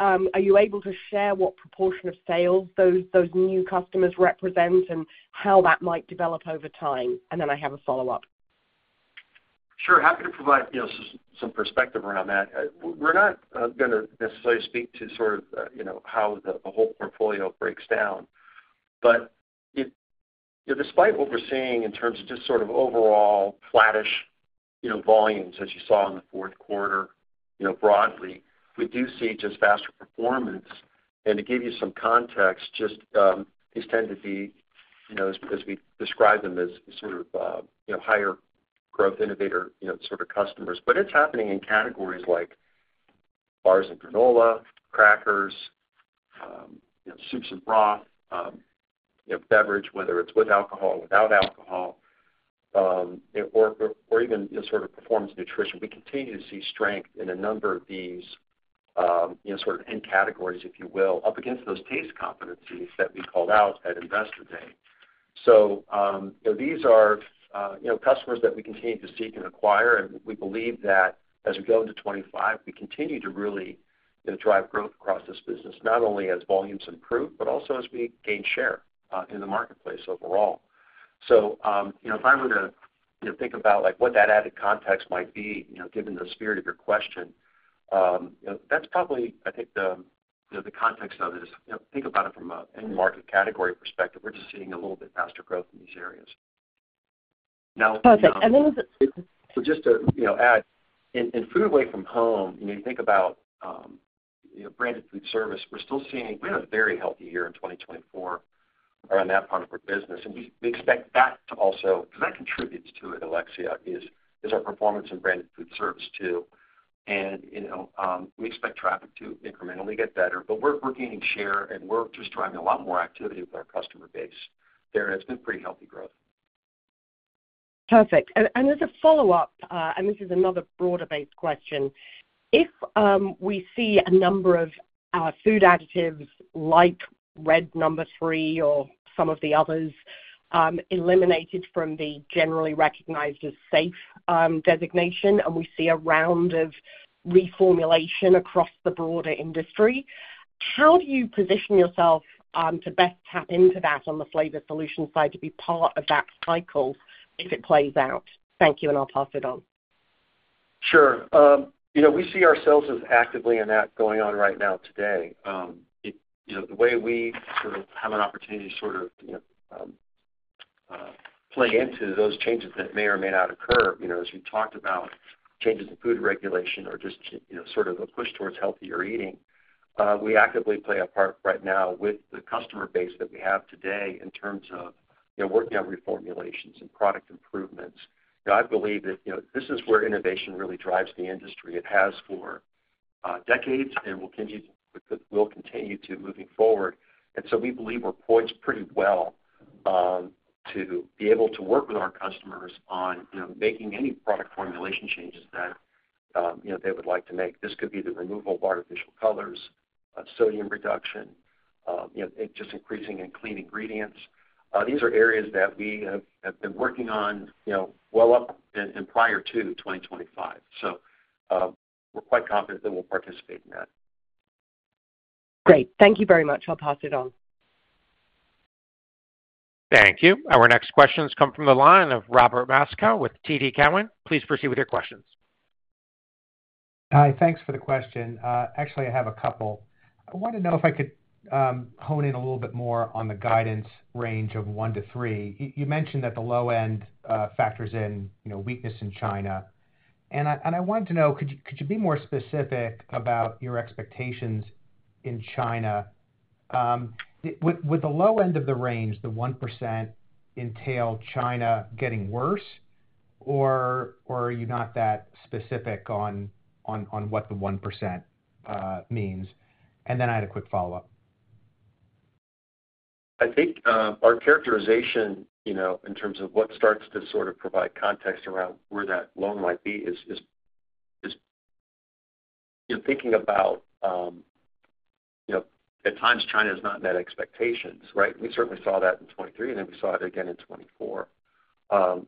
Are you able to share what proportion of sales those new customers represent and how that might develop over time? And then I have a follow-up. Sure. Happy to provide some perspective around that. We're not going to necessarily speak to sort of how the whole portfolio breaks down, but despite what we're seeing in terms of just sort of overall flattish volumes, as you saw in the fourth quarter broadly, we do see just faster performance. And to give you some context, just these tend to be, as we describe them, as sort of higher growth innovator sort of customers. But it's happening in categories like bars and granola, crackers, soups and broth, beverage, whether it's with alcohol, without alcohol, or even sort of performance nutrition. We continue to see strength in a number of these sort of end categories, if you will, up against those taste competencies that we called out at investor day. So these are customers that we continue to seek and acquire, and we believe that as we go into 2025, we continue to really drive growth across this business, not only as volumes improve, but also as we gain share in the marketplace overall. So if I were to think about what that added context might be, given the spirit of your question, that's probably, I think, the context of it is think about it from an end market category perspective. We're just seeing a little bit faster growth in these areas. Now. Perfect. Just to add, in Food Away From Home, you think about branded food service. We're still seeing we had a very healthy year in 2024 around that part of our business, and we expect that to also because that contributes to it, Alexia, is our performance in branded food service too. We expect traffic to incrementally get better, but we're gaining share, and we're just driving a lot more activity with our customer base there, and it's been pretty healthy growth. Perfect. As a follow-up, and this is another broader-based question, if we see a number of our food additives like Red No. 3 or some of the others eliminated from the Generally Recognized As Safe designation, and we see a round of reformulation across the broader industry, how do you position yourself to best tap into that on the flavor solutions side to be part of that cycle if it plays out? Thank you, and I'll pass it on. Sure. We see ourselves as actively in that going on right now today. The way we sort of have an opportunity to sort of play into those changes that may or may not occur, as we talked about changes in food regulation or just sort of a push towards healthier eating, we actively play a part right now with the customer base that we have today in terms of working on reformulations and product improvements. I believe that this is where innovation really drives the industry. It has for decades and will continue to moving forward. And so we believe we're poised pretty well to be able to work with our customers on making any product formulation changes that they would like to make. This could be the removal of artificial colors, sodium reduction, just increasing in clean ingredients. These are areas that we have been working on well up and prior to 2025. So we're quite confident that we'll participate in that. Great. Thank you very much. I'll pass it on. Thank you. Our next questions come from the line of Robert Moskow with TD Cowen. Please proceed with your questions. Hi. Thanks for the question. Actually, I have a couple. I wanted to know if I could hone in a little bit more on the guidance range of 1%-3%. You mentioned that the low end factors in weakness in China, and I wanted to know, could you be more specific about your expectations in China? With the low end of the range, the 1% entails China getting worse, or are you not that specific on what the 1% means? And then I had a quick follow-up. I think our characterization in terms of what starts to sort of provide context around where that low end might be is thinking about at times China has not met expectations, right? We certainly saw that in 2023, and then we saw it again in 2024.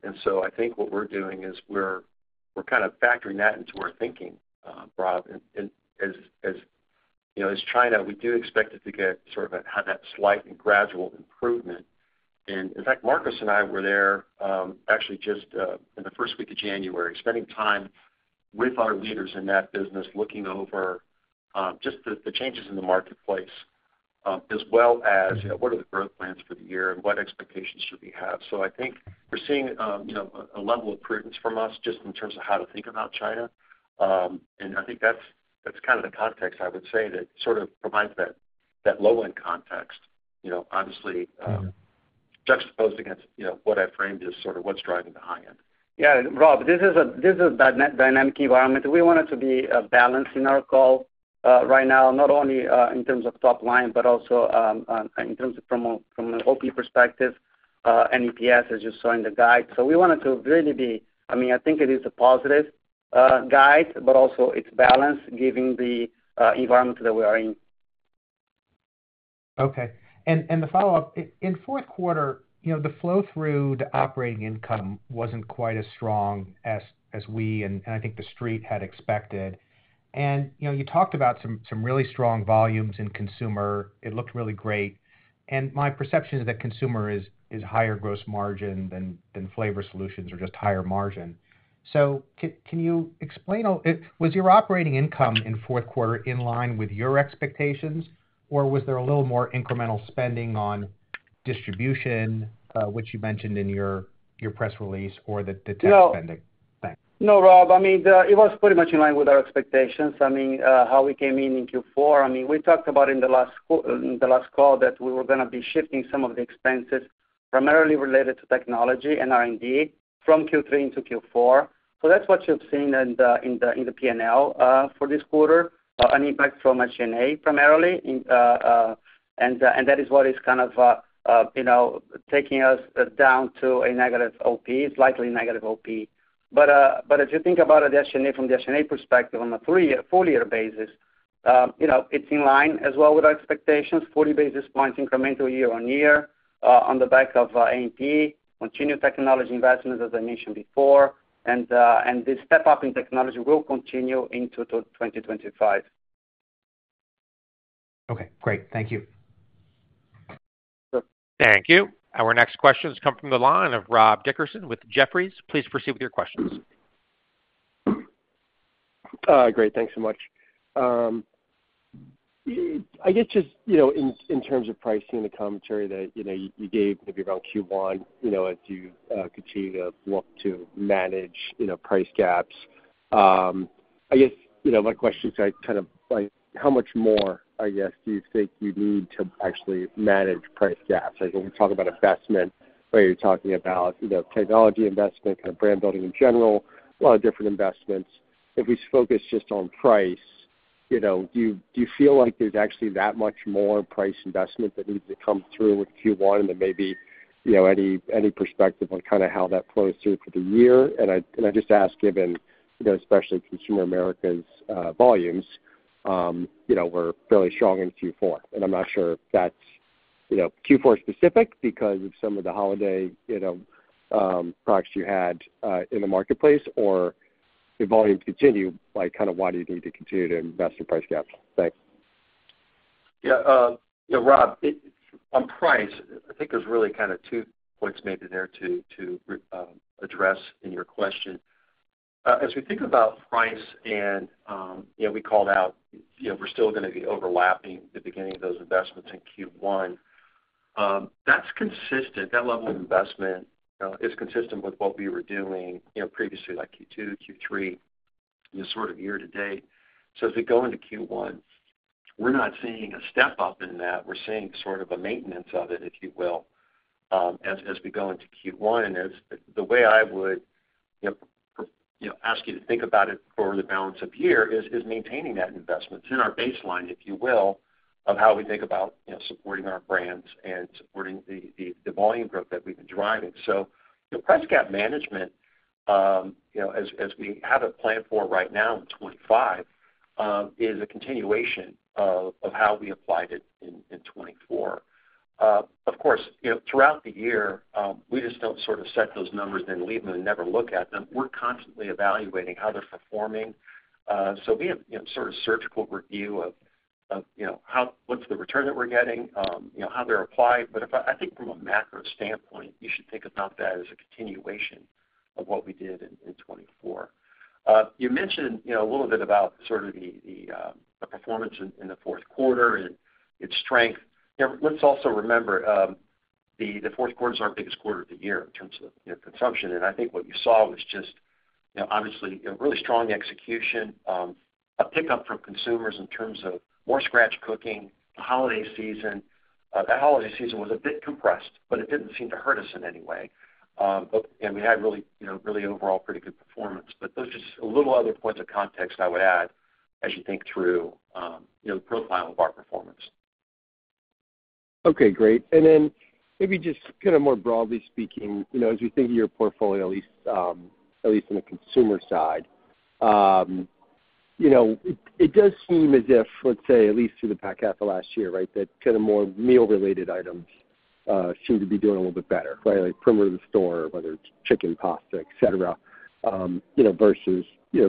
And so I think what we're doing is we're kind of factoring that into our thinking, Rob. As China, we do expect it to get sort of had that slight and gradual improvement. And in fact, Marcos and I were there actually just in the first week of January, spending time with our leaders in that business looking over just the changes in the marketplace as well as what are the growth plans for the year and what expectations should we have. So I think we're seeing a level of prudence from us just in terms of how to think about China. And I think that's kind of the context I would say that sort of provides that low end context, obviously juxtaposed against what I framed as sort of what's driving the high end. Yeah. Rob, this is a dynamic environment. We want it to be a balance in our call right now, not only in terms of top line, but also in terms of from an OP perspective and EPS, as you saw in the guide. So we want it to really be I mean, I think it is a positive guide, but also it's balanced given the environment that we are in. Okay. And the follow-up, in fourth quarter, the flow through to operating income wasn't quite as strong as we, and I think the street had expected. And you talked about some really strong volumes in consumer. It looked really great. And my perception is that consumer is higher gross margin than flavor solutions or just higher margin. So, can you explain was your operating income in fourth quarter in line with your expectations, or was there a little more incremental spending on distribution, which you mentioned in your press release, or the tech spending? No. No, Rob. I mean, it was pretty much in line with our expectations. I mean, how we came in in Q4. I mean, we talked about in the last call that we were going to be shifting some of the expenses primarily related to technology and R&D from Q3 into Q4. So that's what you've seen in the P&L for this quarter, an impact from SG&A primarily. And that is what is kind of taking us down to a negative OP, slightly negative OP. But if you think about it from the SG&A perspective on a full year basis, it's in line as well with our expectations, 40 basis points incremental year on year on the back of A&P, continued technology investments, as I mentioned before. And this step-up in technology will continue into 2025. Okay. Great. Thank you. Thank you. Our next questions come from the line of Rob Dickerson with Jefferies. Please proceed with your questions. Great. Thanks so much. I guess just in terms of pricing and the commentary that you gave maybe around Q1, as you continue to look to manage price gaps. I guess my question is kind of how much more, I guess, do you think you need to actually manage price gaps? When we talk about investment, whether you're talking about technology investment, kind of brand building in general, a lot of different investments. If we focus just on price, do you feel like there's actually that much more price investment that needs to come through with Q1 than maybe any perspective on kind of how that flows through for the year? And I just ask, given especially Consumer Americas volumes, we're fairly strong in Q4. And I'm not sure if that's Q4 specific because of some of the holiday products you had in the marketplace, or if volumes continue, kind of why do you need to continue to invest in price gaps? Thanks. Yeah. Rob, on price, I think there's really kind of two points maybe there to address in your question. As we think about price, and we called out we're still going to be overlapping the beginning of those investments in Q1. That level of investment is consistent with what we were doing previously, like Q2, Q3, sort of year to date, so as we go into Q1, we're not seeing a step-up in that. We're seeing sort of a maintenance of it, if you will, as we go into Q1, and the way I would ask you to think about it for the balance of year is maintaining that investment in our baseline, if you will, of how we think about supporting our brands and supporting the volume growth that we've been driving, so price gap management, as we have it planned for right now in 2025, is a continuation of how we applied it in 2024. Of course, throughout the year, we just don't sort of set those numbers and leave them and never look at them. We're constantly evaluating how they're performing. So we have sort of surgical review of what's the return that we're getting, how they're applied. But I think from a macro standpoint, you should think about that as a continuation of what we did in 2024. You mentioned a little bit about sort of the performance in the fourth quarter and its strength. Let's also remember the fourth quarter is our biggest quarter of the year in terms of consumption. And I think what you saw was just obviously really strong execution, a pickup from consumers in terms of more scratch cooking, the holiday season. That holiday season was a bit compressed, but it didn't seem to hurt us in any way. And we had really overall pretty good performance. But those are just a little other points of context I would add as you think through the profile of our performance. Okay. Great. And then maybe just kind of more broadly speaking, as we think of your portfolio, at least on the consumer side, it does seem as if, let's say, at least through the past year, right, that kind of more meal-related items seem to be doing a little bit better, right? Like perimeter of the store, whether it's chicken, pasta, etc., versus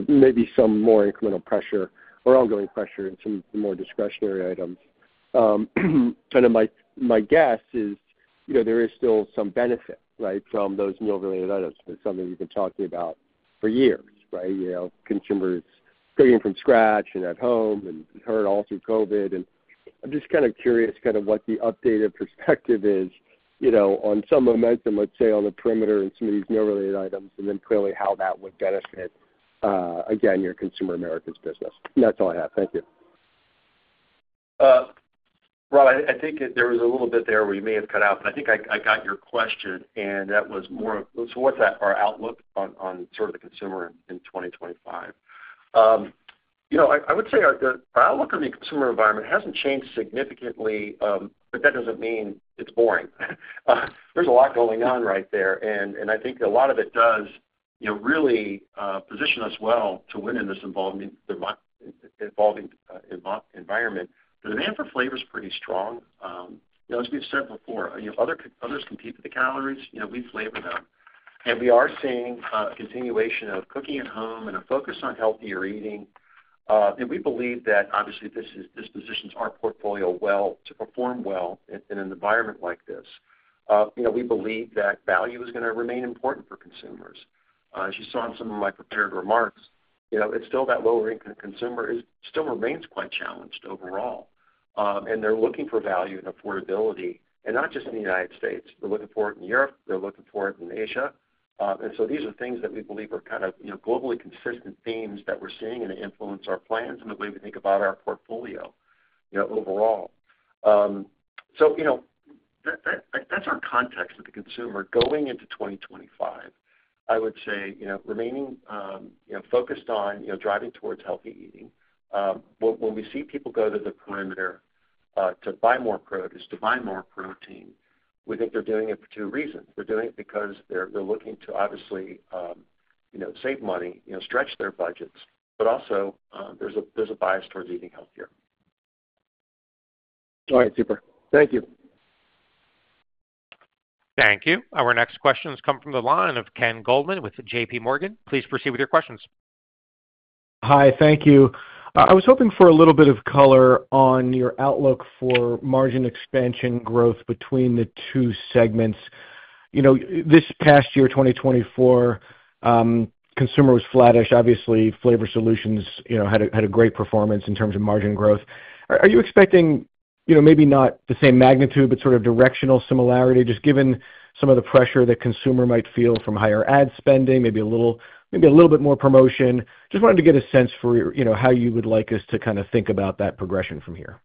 maybe some more incremental pressure or ongoing pressure in some of the more discretionary items. Kind of my guess is there is still some benefit, right, from those meal-related items. It's something we've been talking about for years, right? Consumers cooking from scratch and at home and heard all through COVID. I'm just kind of curious kind of what the updated perspective is on some momentum, let's say, on the perimeter and some of these meal-related items, and then clearly how that would benefit, again, your Consumer Americas business. And that's all I have. Thank you. Rob, I think there was a little bit there where you may have cut out, but I think I got your question, and that was more of so what's our outlook on sort of the consumer in 2025? I would say our outlook on the consumer environment hasn't changed significantly, but that doesn't mean it's boring. There's a lot going on right there. And I think a lot of it does really position us well to win in this evolving environment. The demand for flavor is pretty strong. As we've said before, others compete for the calories. We flavor them. We are seeing a continuation of cooking at home and a focus on healthier eating. We believe that obviously this positions our portfolio well to perform well in an environment like this. We believe that value is going to remain important for consumers. As you saw in some of my prepared remarks, it's still that lower-income consumer still remains quite challenged overall. They're looking for value and affordability, and not just in the United States. They're looking for it in Europe. They're looking for it in Asia. So these are things that we believe are kind of globally consistent themes that we're seeing and influence our plans and the way we think about our portfolio overall. That's our context of the consumer going into 2025. I would say, remaining focused on driving towards healthy eating. When we see people go to the perimeter to buy more produce, to buy more protein, we think they're doing it for two reasons. They're doing it because they're looking to obviously save money, stretch their budgets, but also there's a bias towards eating healthier. All right. Super. Thank you. Thank you. Our next questions come from the line of Ken Goldman with JPMorgan. Please proceed with your questions. Hi. Thank you. I was hoping for a little bit of color on your outlook for margin expansion growth between the two segments. This past year, 2024, consumer was flattish. Obviously, flavor solutions had a great performance in terms of margin growth. Are you expecting maybe not the same magnitude, but sort of directional similarity, just given some of the pressure that consumer might feel from higher ad spending, maybe a little bit more promotion? Just wanted to get a sense for how you would like us to kind of think about that progression from here.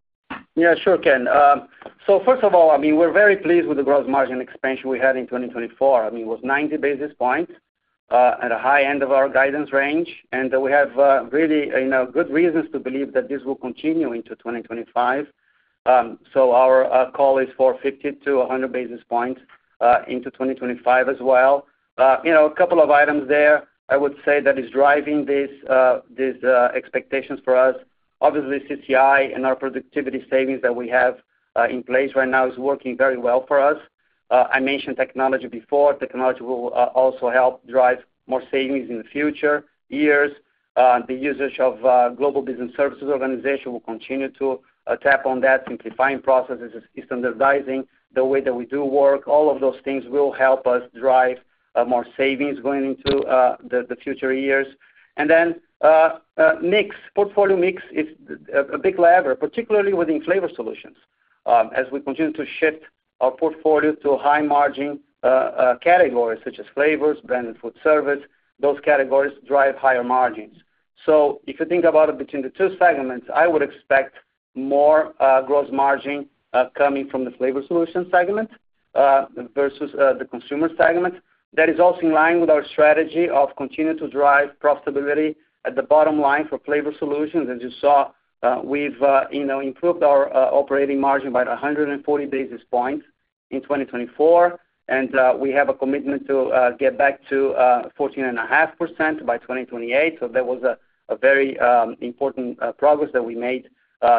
Yeah. Sure, Ken. So first of all, I mean, we're very pleased with the gross margin expansion we had in 2024. I mean, it was 90 basis points at a high end of our guidance range. And we have really good reasons to believe that this will continue into 2025. So our call is for 50 to 100 basis points into 2025 as well. A couple of items there, I would say, that is driving these expectations for us. Obviously, CCI and our productivity savings that we have in place right now is working very well for us. I mentioned technology before. Technology will also help drive more savings in the future years. The usage of Global Business Services Organization will continue to tap on that simplifying processes, standardizing the way that we do work. All of those things will help us drive more savings going into the future years. And then portfolio mix is a big lever, particularly within flavor solutions. As we continue to shift our portfolio to high-margin categories such as flavors, branded food service, those categories drive higher margins. So if you think about it between the two segments, I would expect more gross margin coming from the flavor solution segment versus the consumer segment. That is also in line with our strategy of continuing to drive profitability at the bottom line for flavor solutions. As you saw, we've improved our operating margin by 140 basis points in 2024. And we have a commitment to get back to 14.5% by 2028. That was a very important progress that we made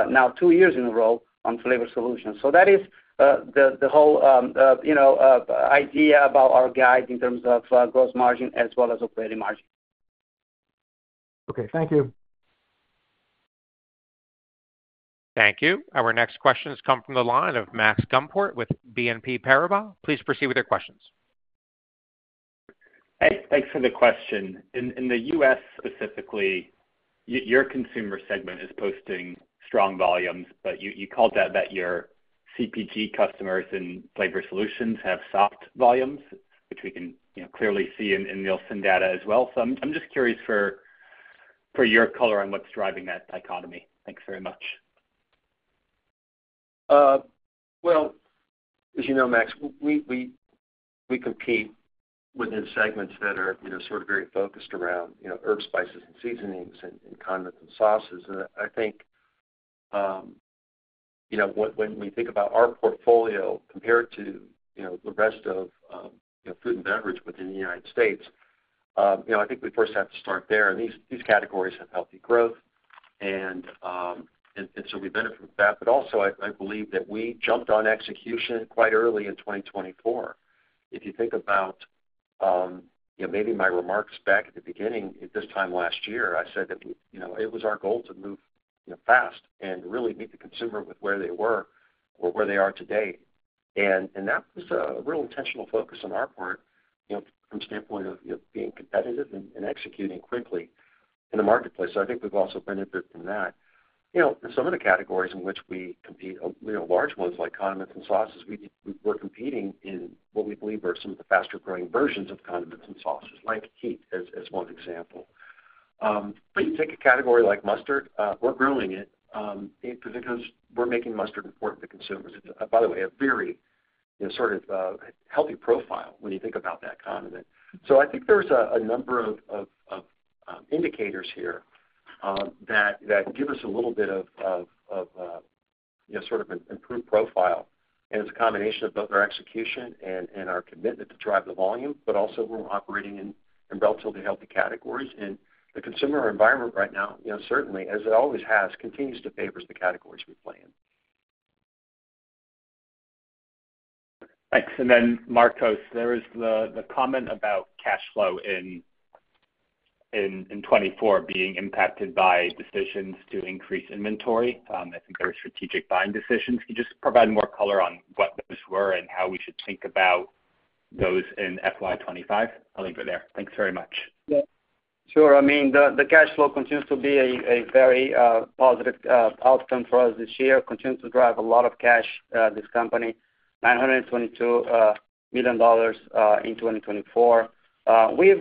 now two years in a row on flavor solutions. That is the whole idea about our guide in terms of gross margin as well as operating margin. Okay. Thank you. Thank you. Our next questions come from the line of Max Gumport with BNP Paribas. Please proceed with your questions. Hey. Thanks for the question. In the U.S. specifically, your consumer segment is posting strong volumes, but you called out that your CPG customers and flavor solutions have soft volumes, which we can clearly see in Nielsen data as well. I'm just curious for your color on what's driving that dichotomy. Thanks very much. As you know, Max, we compete within segments that are sort of very focused around herbs, spices, and seasonings, and condiments, and sauces. And I think when we think about our portfolio compared to the rest of food and beverage within the United States, I think we first have to start there. And these categories have healthy growth. And so we benefit from that. But also, I believe that we jumped on execution quite early in 2024. If you think about maybe my remarks back at the beginning, at this time last year, I said that it was our goal to move fast and really meet the consumer with where they were or where they are today. And that was a real intentional focus on our part from the standpoint of being competitive and executing quickly in the marketplace. So I think we've also benefited from that. And some of the categories in which we compete, large ones like condiments and sauces, we're competing in what we believe are some of the faster-growing versions of condiments and sauces, like heat as one example. But you take a category like mustard. We're growing it because we're making mustard important to consumers. By the way, a very sort of healthy profile when you think about that condiment. So I think there's a number of indicators here that give us a little bit of sort of an improved profile. And it's a combination of both our execution and our commitment to drive the volume, but also we're operating in relatively healthy categories. And the consumer environment right now, certainly, as it always has, continues to favor the categories we play in. Thanks. Then, Marcos, there is the comment about cash flow in 2024 being impacted by decisions to increase inventory. I think there were strategic buying decisions. Can you just provide more color on what those were and how we should think about those in FY25? I'll leave it there. Thanks very much. Sure. I mean, the cash flow continues to be a very positive outcome for us this year. Continues to drive a lot of cash, this company, $922 million in 2024. We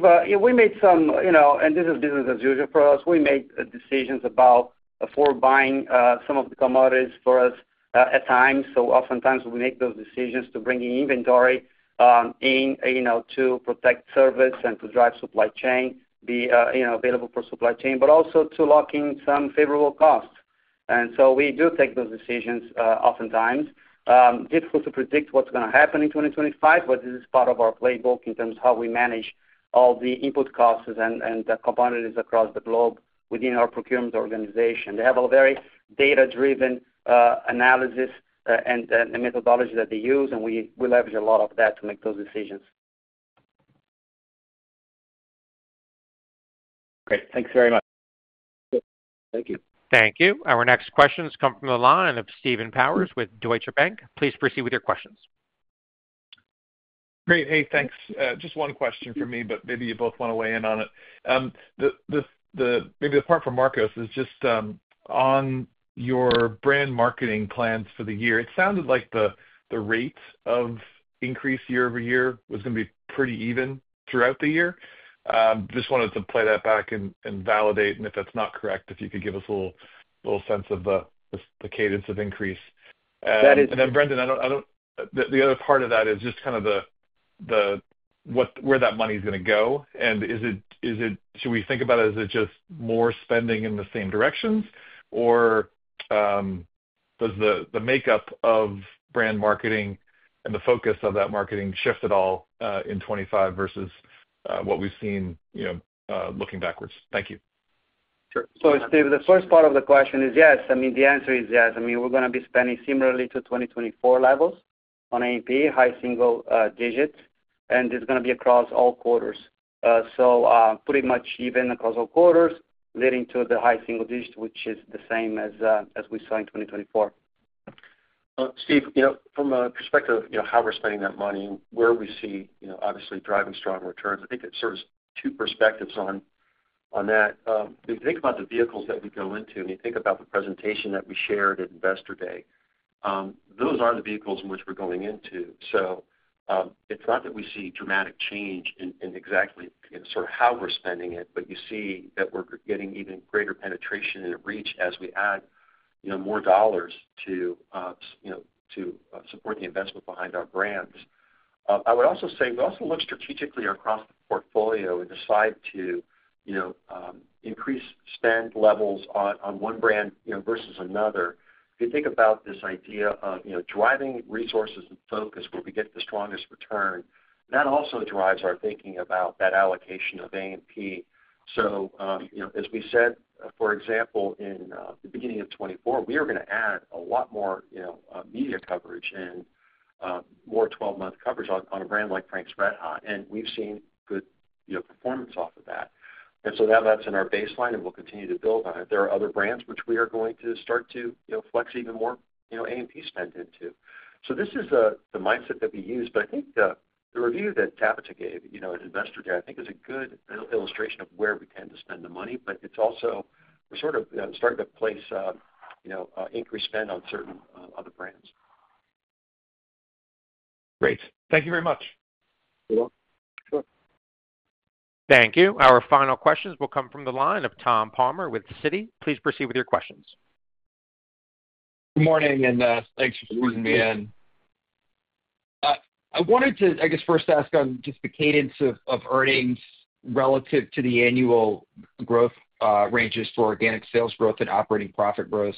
made some, and this is business as usual for us, we made decisions about for buying some of the commodities for us at times. So oftentimes, we make those decisions to bring in inventory to protect service and to drive supply chain, be available for supply chain, but also to lock in some favorable costs. And so we do take those decisions oftentimes. Difficult to predict what's going to happen in 2025, but this is part of our playbook in terms of how we manage all the input costs and components across the globe within our procurement organization. They have a very data-driven analysis and methodology that they use, and we leverage a lot of that to make those decisions. Great. Thanks very much. Thank you. Thank you. Our next questions come from the line of Steven Powers with Deutsche Bank. Please proceed with your questions. Great. Hey, thanks. Just one question for me, but maybe you both want to weigh in on it. Maybe apart from Marcos, it's just on your brand marketing plans for the year. It sounded like the rate of increase year-over-year was going to be pretty even throughout the year. Just wanted to play that back and validate. And if that's not correct, if you could give us a little sense of the cadence of increase? And then, Brendan, the other part of that is just kind of where that money is going to go. And should we think about it as just more spending in the same directions, or does the makeup of brand marketing and the focus of that marketing shift at all in 2025 versus what we've seen looking backwards? Thank you. Sure. So Steve, the first part of the question is yes. I mean, the answer is yes. I mean, we're going to be spending similarly to 2024 levels on A&P, high single digits. And it's going to be across all quarters. So pretty much even across all quarters, leading to the high single digits, which is the same as we saw in 2024. Steve, from a perspective of how we're spending that money and where we see obviously driving strong returns, I think there's two perspectives on that. When you think about the vehicles that we go into and you think about the presentation that we shared at Investor Day, those are the vehicles in which we're going into. So it's not that we see dramatic change in exactly sort of how we're spending it, but you see that we're getting even greater penetration and reach as we add more dollars to support the investment behind our brands. I would also say we also look strategically across the portfolio and decide to increase spend levels on one brand versus another. If you think about this idea of driving resources and focus where we get the strongest return, that also drives our thinking about that allocation of A&P. So as we said, for example, in the beginning of 2024, we were going to add a lot more media coverage and more 12-month coverage on a brand like Frank's RedHot. And we've seen good performance off of that. And so now that's in our baseline, and we'll continue to build on it. There are other brands which we are going to start to flex even more A&P spend into. So this is the mindset that we use. But I think the review that Tabata gave at Investor Day, I think, is a good illustration of where we tend to spend the money, but it's also we're sort of starting to place increased spend on certain other brands. Great. Thank you very much. You're welcome. Sure. Thank you. Our final questions will come from the line of Tom Palmer with Citi. Please proceed with your questions. Good morning, and thanks for bringing me in. I wanted to, I guess, first ask on just the cadence of earnings relative to the annual growth ranges for organic sales growth and operating profit growth.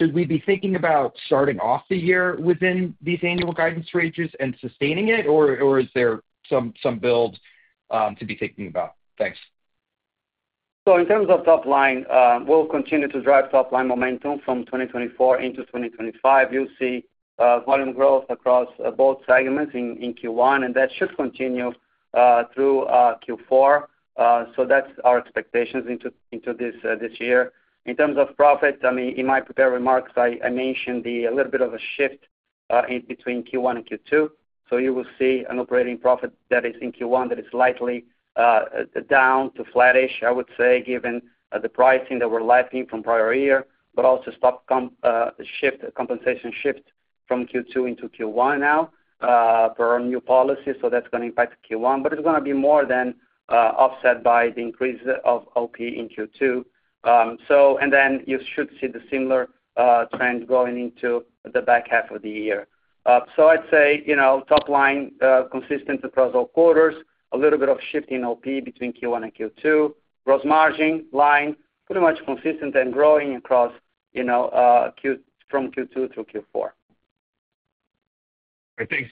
Should we be thinking about starting off the year within these annual guidance ranges and sustaining it, or is there some build to be thinking about? Thanks. So in terms of top line, we'll continue to drive top-line momentum from 2024 into 2025. You'll see volume growth across both segments in Q1, and that should continue through Q4. So that's our expectations into this year. In terms of profit, I mean, in my prepared remarks, I mentioned a little bit of a shift between Q1 and Q2. So you will see an operating profit that is in Q1 that is slightly down to flattish, I would say, given the pricing that we're lapping from prior year, but also shift compensation shift from Q2 into Q1 now per our new policy. So that's going to impact Q1, but it's going to be more than offset by the increase of OP in Q2. And then you should see the similar trend going into the back half of the year. So I'd say top line, consistent across all quarters, a little bit of shift in OP between Q1 and Q2, gross margin line pretty much consistent and growing across from Q2 through Q4.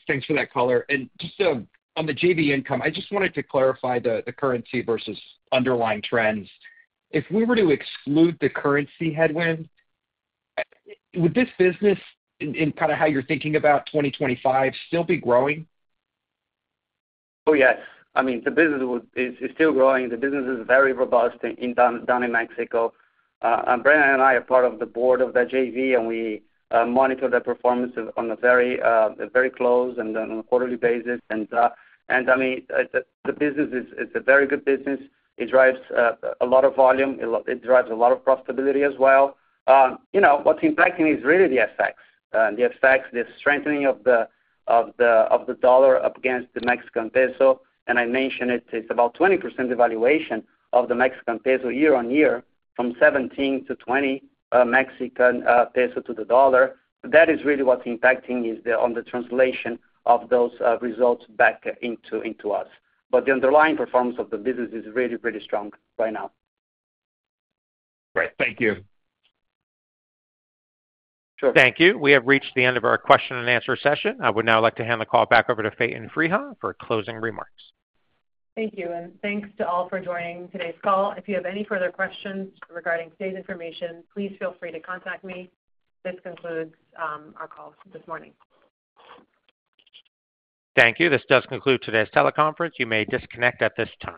Thanks for that color. And just on the JV income, I just wanted to clarify the currency versus underlying trends. If we were to exclude the currency headwind, would this business, in kind of how you're thinking about 2025, still be growing? Oh, yes. I mean, the business is still growing. The business is very robust down in Mexico. Brendan and I are part of the board of that JV, and we monitor that performance on a very close and on a quarterly basis. And I mean, the business is a very good business. It drives a lot of volume. It drives a lot of profitability as well. What's impacting is really the effects, the effects, the strengthening of the dollar against the Mexican peso. And I mentioned it's about 20% devaluation of the Mexican peso year on year from 17 to 20 Mexican peso to the dollar. That is really what's impacting on the translation of those results back into us. But the underlying performance of the business is really, really strong right now. Great. Thank you. Sure. Thank you. We have reached the end of our question and answer session. I would now like to hand the call back over to Faten Freiha for closing remarks. Thank you. And thanks to all for joining today's call. If you have any further questions regarding today's information, please feel free to contact me. This concludes our call this morning. Thank you. This does conclude today's teleconference. You may disconnect at this time.